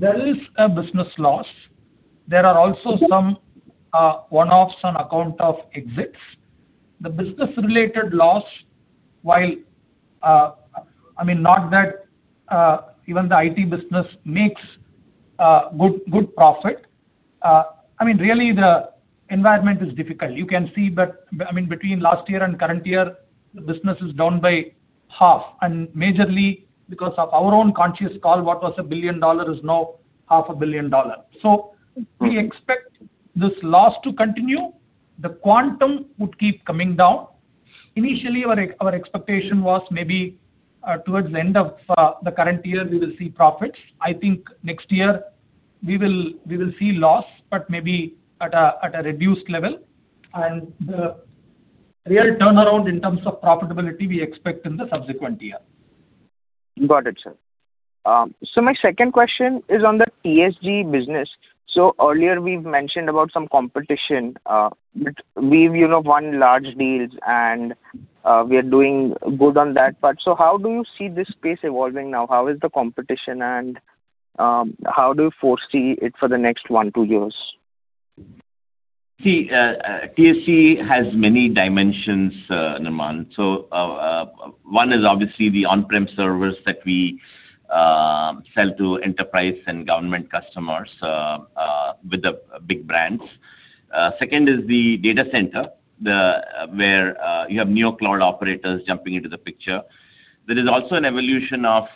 [SPEAKER 4] There is a business loss. There are also some one-offs on account of exits. The business-related loss, while, I mean, not that, even the IT business makes good profit. I mean, really the environment is difficult. You can see that, I mean, between last year and current year, the business is down by half, and majorly because of our own conscious call, what was $1 billion is now $500 million. We expect this loss to continue. The quantum would keep coming down. Initially, our expectation was maybe towards the end of the current year, we will see profits. I think next year we will see loss, but maybe at a reduced level. The real turnaround in terms of profitability we expect in the subsequent year.
[SPEAKER 8] Got it, sir. My second question is on the TSG business. Earlier we've mentioned about some competition, but we've, you know, won large deals and we are doing good on that part. How do you see this space evolving now? How is the competition and how do you foresee it for the next one, two years?
[SPEAKER 2] See, TSG has many dimensions, Nirban. One is obviously the on-prem servers that we sell to enterprise and government customers with the big brands. Second is the data center, where you have neo cloud operators jumping into the picture. There is also an evolution of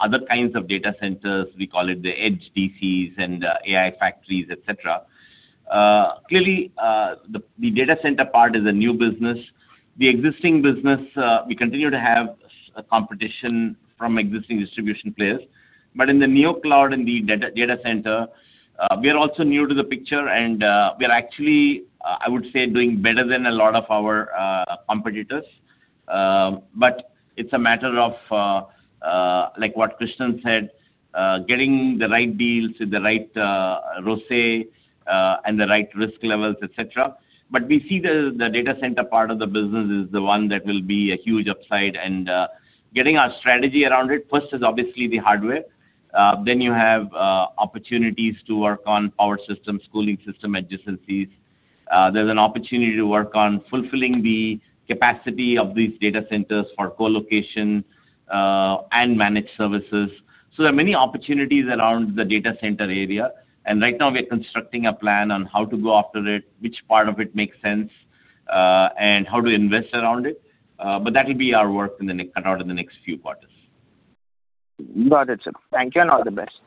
[SPEAKER 2] other kinds of data centers, we call it the edge DCs and AI factories, et cetera. Clearly, the data center part is a new business. The existing business, we continue to have competition from existing distribution players. In the neo cloud and the data center, we are also new to the picture and we are actually, I would say, doing better than a lot of our competitors. It's a matter of like what Krishnan said, getting the right deals with the right ROCE and the right risk levels, et cetera. We see the data center part of the business is the one that will be a huge upside and getting our strategy around it. First is obviously the hardware. You have opportunities to work on power systems, cooling system, adjacencies. There's an opportunity to work on fulfilling the capacity of these data centers for colocation and managed services. There are many opportunities around the data center area, and right now we are constructing a plan on how to go after it, which part of it makes sense and how to invest around it. That will be our work around in the next few quarters.
[SPEAKER 8] Got it, sir. Thank you, and all the best.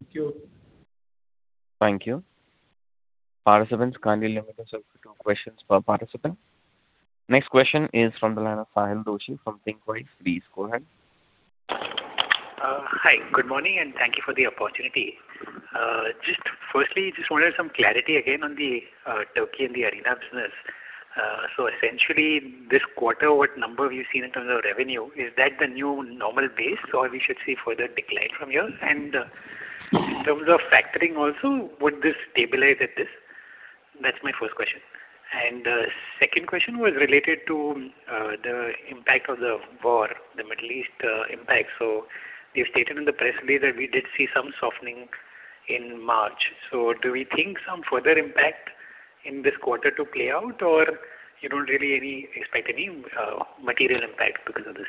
[SPEAKER 4] Thank you.
[SPEAKER 1] Thank you. Participants, kindly limit yourself to two questions per participant. Next question is from the line of Sahil Doshi from Thinqwise. Please go ahead.
[SPEAKER 9] Hi. Good morning, and thank you for the opportunity. Just firstly, just wanted some clarity again on the Turkey and the Arena business. Essentially this quarter, what number have you seen in terms of revenue? Is that the new normal base, or we should see further decline from here? In terms of factoring also, would this stabilize at this? That's my first question. Second question was related to the impact of the war, the Middle East impact. You've stated in the press release that we did see some softening in March. Do we think some further impact in this quarter to play out, or you don't really any expect any material impact because of the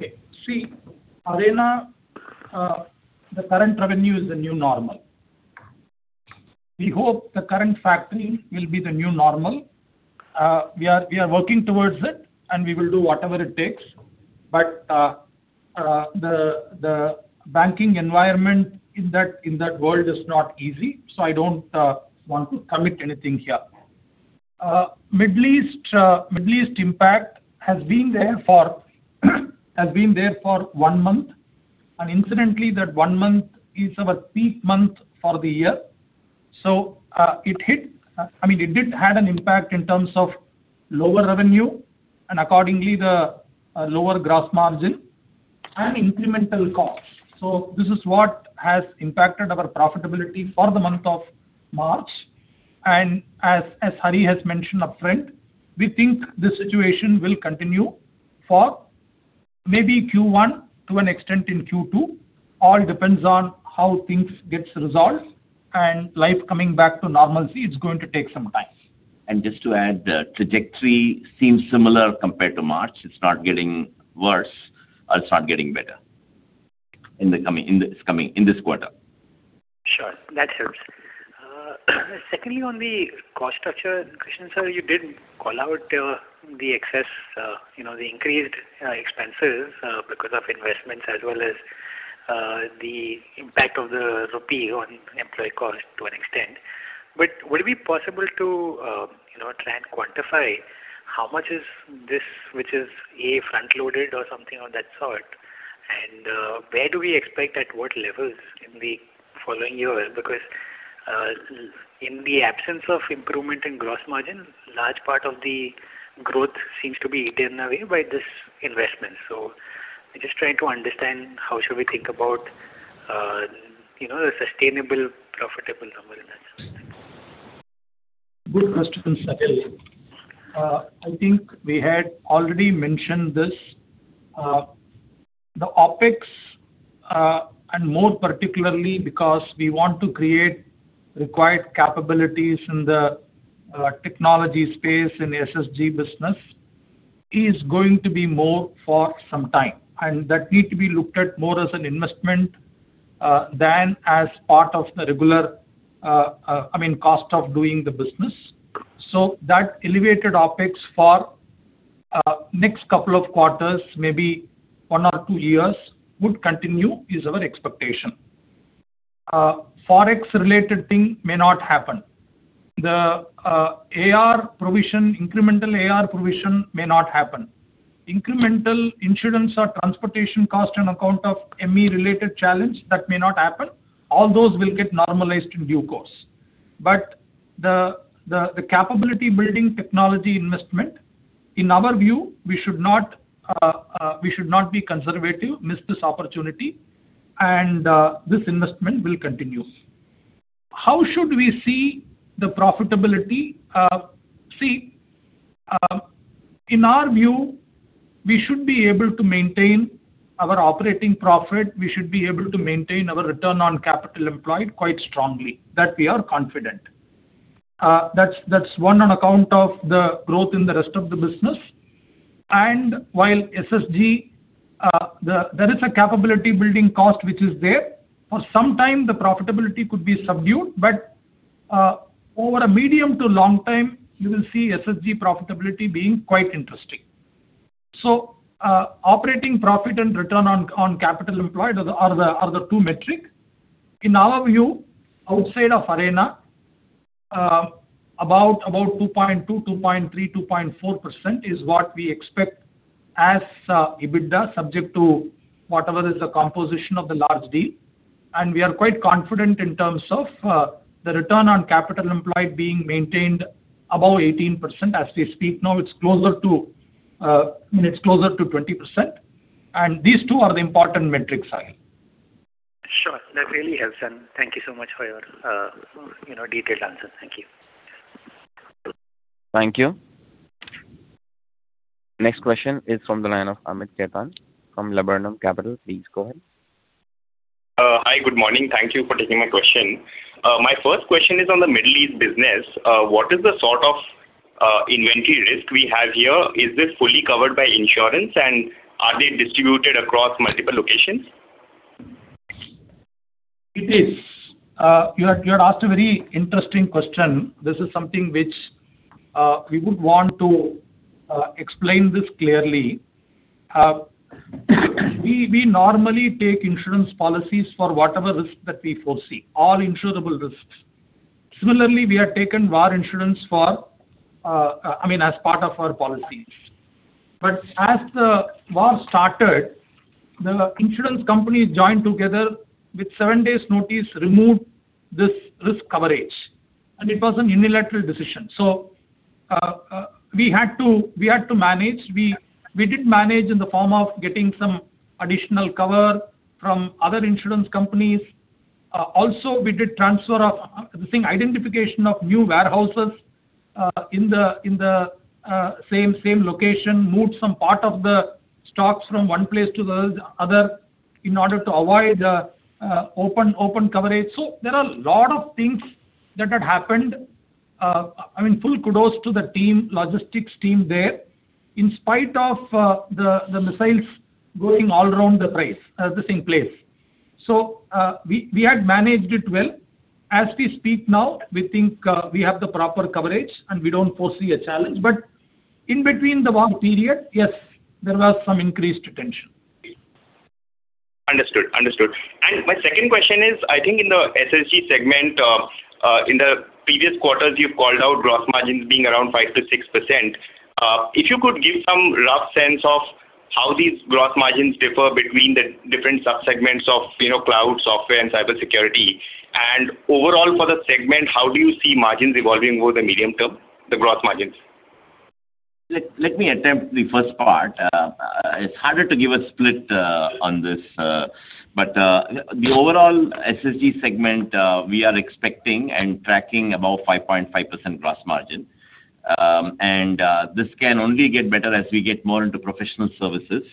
[SPEAKER 9] same?
[SPEAKER 4] See, Arena, the current revenue is the new normal. We hope the current factoring will be the new normal. We are working towards it, and we will do whatever it takes. The banking environment in that world is not easy, so I don't want to commit anything here. Middle East impact has been there for one month. Incidentally, that one month is our peak month for the year. I mean, it did have an impact in terms of lower revenue and accordingly the lower gross margin and incremental costs. This is what has impacted our profitability for the month of March. As Hari has mentioned upfront, we think the situation will continue for maybe Q1 to an extent in Q2. All depends on how things gets resolved, and life coming back to normalcy, it's going to take some time.
[SPEAKER 2] Just to add, the trajectory seems similar compared to March. It's not getting worse or it's not getting better in this quarter.
[SPEAKER 9] Sure. That helps. Secondly, on the cost structure, Krishnan sir, you did call out the excess, you know, the increased expenses because of investments as well as the impact of the rupee on employee cost to an extent. Would it be possible to, you know, try and quantify how much is this, which is, A, front-loaded or something of that sort? Where do we expect at what levels in the following years? Because in the absence of improvement in gross margin, large part of the growth seems to be eaten away by this investment. I'm just trying to understand how should we think about, you know, the sustainable profitable number in that sense.
[SPEAKER 4] Good question, Sahil. I think we had already mentioned this. The OpEx, and more particularly because we want to create required capabilities in the technology space in the SSG business, is going to be more for some time. That need to be looked at more as an investment than as part of the regular, I mean, cost of doing the business. That elevated OpEx for next couple of quarters, maybe one or two years, would continue is our expectation. Forex-related thing may not happen. The AR provision, incremental AR provision may not happen. Incremental insurance or transportation cost on account of ME-related challenge, that may not happen. All those will get normalized in due course. The capability building technology investment, in our view, we should not, we should not be conservative, miss this opportunity, and this investment will continue. How should we see the profitability? See, in our view, we should be able to maintain our operating profit. We should be able to maintain our return on capital employed quite strongly. That we are confident. That's one on account of the growth in the rest of the business. While SSG, there is a capability building cost which is there. For some time, the profitability could be subdued, but over a medium to long time, you will see SSG profitability being quite interesting. Operating profit and return on capital employed are the two metric. In our view, outside of Arena, about 2.2%, 2.3%, 2.4% is what we expect as EBITDA subject to whatever is the composition of the large deal. We are quite confident in terms of the return on capital employed being maintained above 18%. As we speak now, it's closer to, I mean, it's closer to 20%. These two are the important metrics, Sahil.
[SPEAKER 9] Sure. That really helps. Thank you so much for your, you know, detailed answer. Thank you.
[SPEAKER 1] Thank you. Next question is from the line of Amit Khetan from Laburnum Capital. Please go ahead.
[SPEAKER 10] Hi. Good morning. Thank you for taking my question. My first question is on the Middle East business. What is the sort of inventory risk we have here? Is this fully covered by insurance? Are they distributed across multiple locations?
[SPEAKER 4] It is. You have asked a very interesting question. This is something which we would want to explain this clearly. We normally take insurance policies for whatever risk that we foresee, all insurable risks. Similarly, we have taken war insurance for, I mean, as part of our policy. As the war started, the insurance companies joined together with seven days' notice removed this risk coverage, and it was an unilateral decision. We had to manage. We did manage in the form of getting some additional cover from other insurance companies. Also, we did transfer of the thing, identification of new warehouses in the same location. Moved some part of the stocks from one place to the other in order to avoid open coverage. There are a lot of things that had happened. I mean, full kudos to the team, logistics team there, in spite of the missiles going all around the place, the same place. We had managed it well. As we speak now, we think we have the proper coverage, and we don't foresee a challenge. In between the war period, yes, there was some increased tension.
[SPEAKER 10] Understood. Understood. My second question is, I think in the SSG segment, in the previous quarters, you've called out gross margins being around 5%-6%. If you could give some rough sense of how these gross margins differ between the different subsegments of, you know, cloud software and cybersecurity. Overall for the segment, how do you see margins evolving over the medium term, the gross margins?
[SPEAKER 2] Let me attempt the first part. It's harder to give a split on this, but the overall SSG segment, we are expecting and tracking above 5.5% gross margin. This can only get better as we get more into professional services.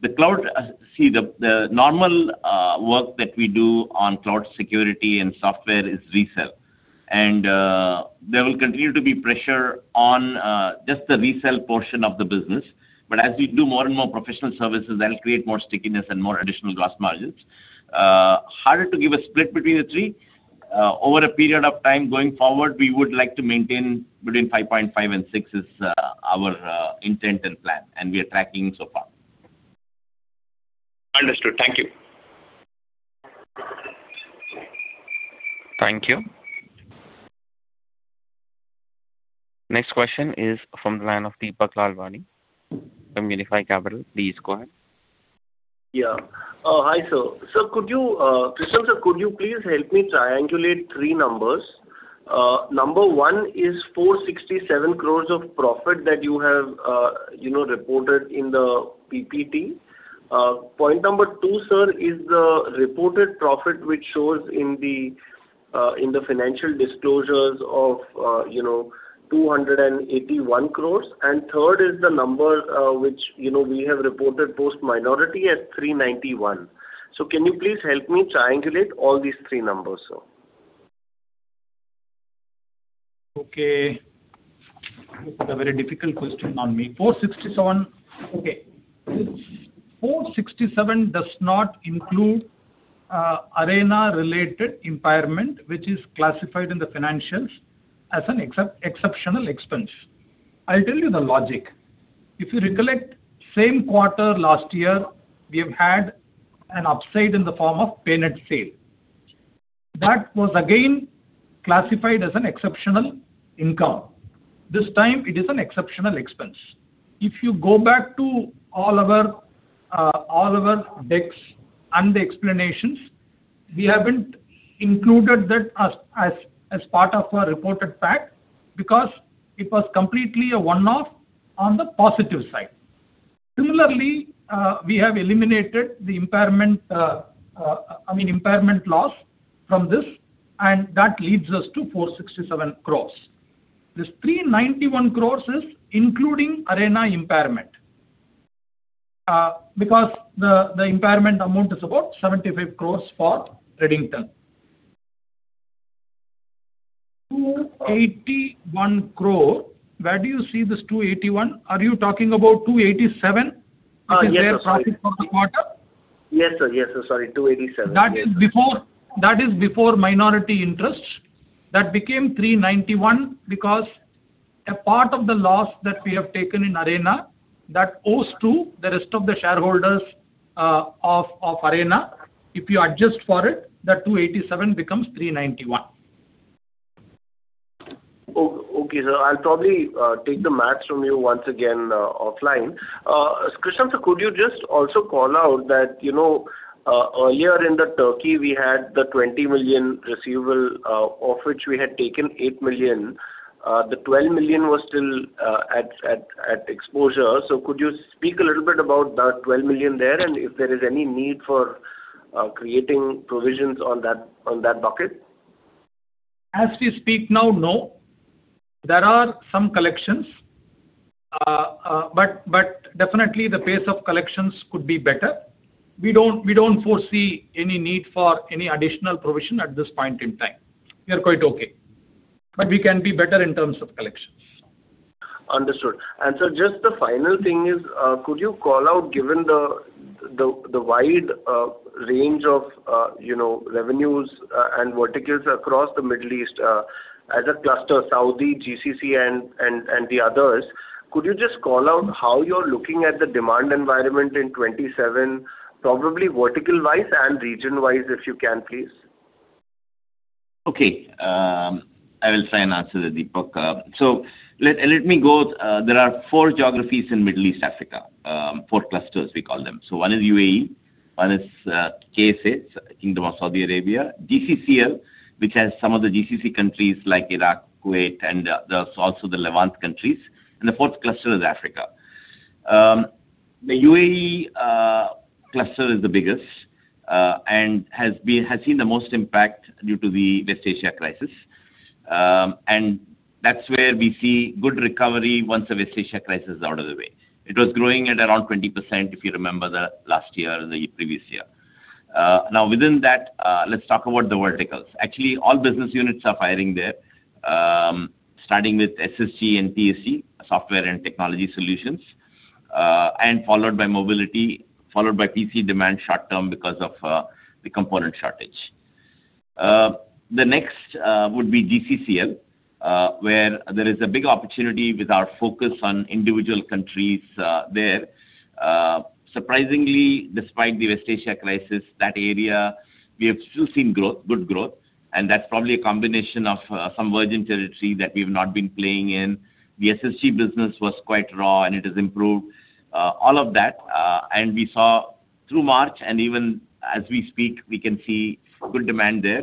[SPEAKER 2] The cloud, see the normal work that we do on cloud security and software is resell. There will continue to be pressure on just the resell portion of the business. As we do more and more professional services, that'll create more stickiness and more additional gross margins. Harder to give a split between the 3%. Over a period of time going forward, we would like to maintain between 5.5% and 6% is our intent and plan, we are tracking so far.
[SPEAKER 10] Understood. Thank you.
[SPEAKER 1] Thank you. Next question is from the line of Deepak Lalwani from Unifi Capital. Please go ahead.
[SPEAKER 5] Hi, sir. Sir, could you Krishnan, sir, could you please help me triangulate three numbers? Number one is 467 crores of profit that you have, you know, reported in the PPT. Point number two, sir, is the reported profit which shows in the financial disclosures of, you know, 281 crores. Third is the number which, you know, we have reported post-minority at 391. Can you please help me triangulate all these three numbers, sir?
[SPEAKER 4] Okay. You put a very difficult question on me. 467 crores. Okay. 467 crores does not include Arena-related impairment, which is classified in the financials as an exceptional expense. I'll tell you the logic. If you recollect same quarter last year, we have had an upside in the form of Paynet sale. That was again classified as an exceptional income. This time it is an exceptional expense. If you go back to all of our, all of our decks and the explanations, we haven't included that as part of our reported pack because it was completely a one-off on the positive side. Similarly, we have eliminated the impairment, I mean, impairment loss from this, and that leaves us to 467 crores. This 391 crores is including Arena impairment, because the impairment amount is about 75 crores for Redington. 281 crore. Where do you see this 281 crore? Are you talking about 287 crore?
[SPEAKER 5] Yes, sir. Sorry
[SPEAKER 4] as their profit for the quarter?
[SPEAKER 5] Yes, sir. Yes, sir. Sorry, 287 crore. Yes.
[SPEAKER 4] That is before minority interest. That became 391 crores because a part of the loss that we have taken in Arena that owes to the rest of the shareholders of Arena. If you adjust for it, the 287 crores becomes 391 crores.
[SPEAKER 5] Okay, sir. I'll probably take the maths from you once again offline. Krishnan, sir, could you just also call out that, you know, a year in the Turkey we had the 20 million receivable, of which we had taken 8 million. The 12 million was still at exposure. Could you speak a little bit about that 12 million there, and if there is any need for creating provisions on that, on that bucket?
[SPEAKER 4] As we speak now, no. There are some collections. Definitely the pace of collections could be better. We don't foresee any need for any additional provision at this point in time. We are quite okay. We can be better in terms of collection.
[SPEAKER 5] Understood. Just the final thing is, could you call out, given the wide range of, you know, revenues, and verticals across the Middle East, as a cluster, Saudi, GCC and the others, could you just call out how you're looking at the demand environment in 2027, probably vertical-wise and region-wise, if you can, please?
[SPEAKER 2] Okay. I will try and answer that, Deepak. Let me go. There are four geographies in Middle East Africa, four clusters we call them. One is UAE, one is KSA, Kingdom of Saudi Arabia, GCCL, which has some of the GCC countries like Iraq, Kuwait, there's also the Levant countries, and the fourth cluster is Africa. The UAE cluster is the biggest and has seen the most impact due to the West Asia crisis. That's where we see good recovery once the West Asia crisis is out of the way. It was growing at around 20%, if you remember the last year or the previous year. Now within that, let's talk about the verticals. Actually, all business units are firing there, starting with SSG and TSG, Software and Technology Solutions, followed by mobility, followed by PC demand short term because of the component shortage. The next would be GCCL, where there is a big opportunity with our focus on individual countries there. Surprisingly, despite the West Asia crisis, that area we have still seen growth, good growth, and that's probably a combination of some virgin territory that we've not been playing in. The SSG business was quite raw, and it has improved all of that. We saw through March and even as we speak, we can see good demand there.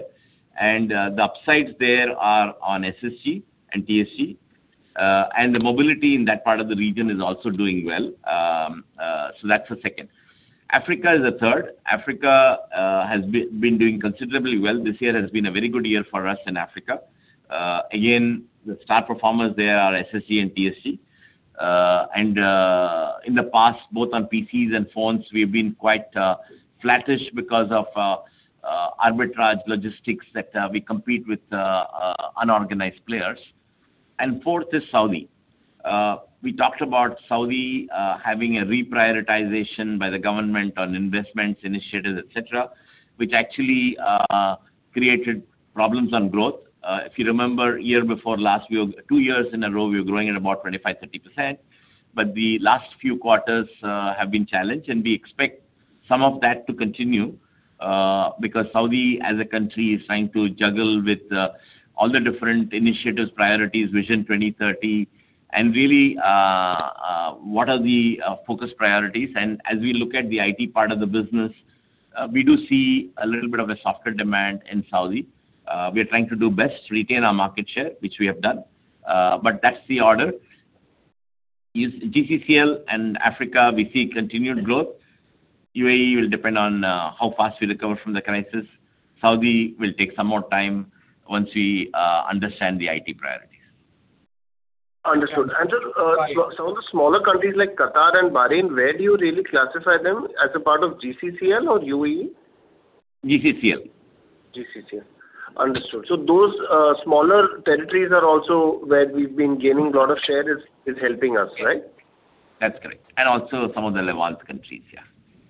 [SPEAKER 2] The upsides there are on SSG and TSG, the mobility in that part of the region is also doing well. That's the second. Africa is the third. Africa has been doing considerably well. This year has been a very good year for us in Africa. Again, the star performers there are SSG and TSG. In the past, both on PCs and phones, we've been quite flattish because of arbitrage logistics that we compete with unorganized players. Fourth is Saudi Arabia. We talked about Saudi having a reprioritization by the government on investments, initiatives, et cetera, which actually created problems on growth. If you remember, year before last we were two years in a row we were growing at about 25%-30%. The last few quarters have been challenged, and we expect some of that to continue because Saudi as a country is trying to juggle with all the different initiatives, priorities, Vision 2030, and really, what are the focus priorities. As we look at the IT part of the business, we do see a little bit of a softer demand in Saudi. We are trying to do best to retain our market share, which we have done. That's the order. Is GCCL and Africa we see continued growth. UAE will depend on how fast we recover from the crisis. Saudi will take some more time once we understand the IT priorities.
[SPEAKER 5] Understood. Some of the smaller countries like Qatar and Bahrain, where do you really classify them? As a part of GCCL or UAE?
[SPEAKER 2] GCCL.
[SPEAKER 5] GCCL. Understood. Those smaller territories are also where we've been gaining a lot of share is helping us, right?
[SPEAKER 2] That's correct. Also some of the Levant countries, yeah.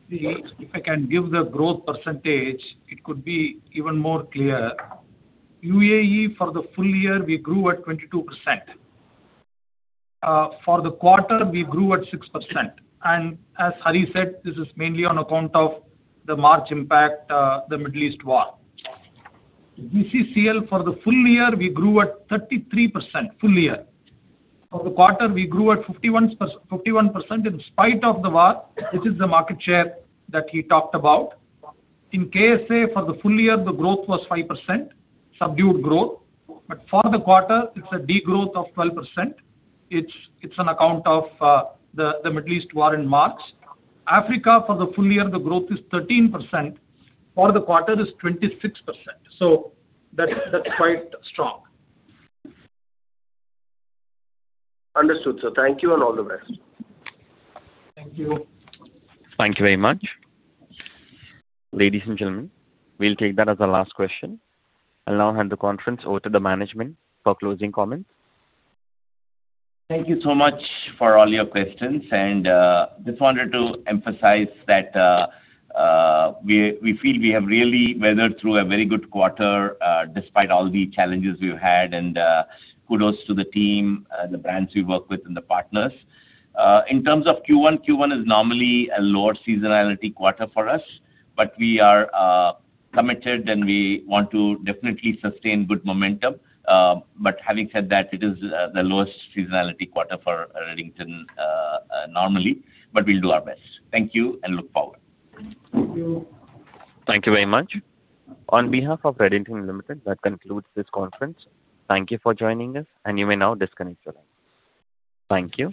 [SPEAKER 4] If I can give the growth percentage, it could be even more clear. UAE for the full year we grew at 22%. For the quarter we grew at 6%. As Hari said, this is mainly on account of the March impact, the Middle East war. GCCL for the full year we grew at 33%, full year. For the quarter we grew at 51% in spite of the war, which is the market share that he talked about. In KSA for the full year the growth was 5%, subdued growth. For the quarter it's a degrowth of 12%. It's on account of the Middle East war in March. Africa for the full year the growth is 13%. For the quarter it is 26%. That's quite strong.
[SPEAKER 5] Understood, sir. Thank you and all the best.
[SPEAKER 4] Thank you.
[SPEAKER 1] Thank you very much. Ladies and gentlemen, we will take that as our last question. I will now hand the conference over to the management for closing comments.
[SPEAKER 2] Thank you so much for all your questions. Just wanted to emphasize that we feel we have really weathered through a very good quarter despite all the challenges we've had, and kudos to the team, the brands we work with and the partners. In terms of Q1, Q1 is normally a lower seasonality quarter for us, we are committed and we want to definitely sustain good momentum. Having said that, it is the lowest seasonality quarter for Redington normally, we'll do our best. Thank you. Look forward.
[SPEAKER 1] Thank you very much. On behalf of Redington Limited, that concludes this conference. Thank you for joining us, and you may now disconnect your lines. Thank you.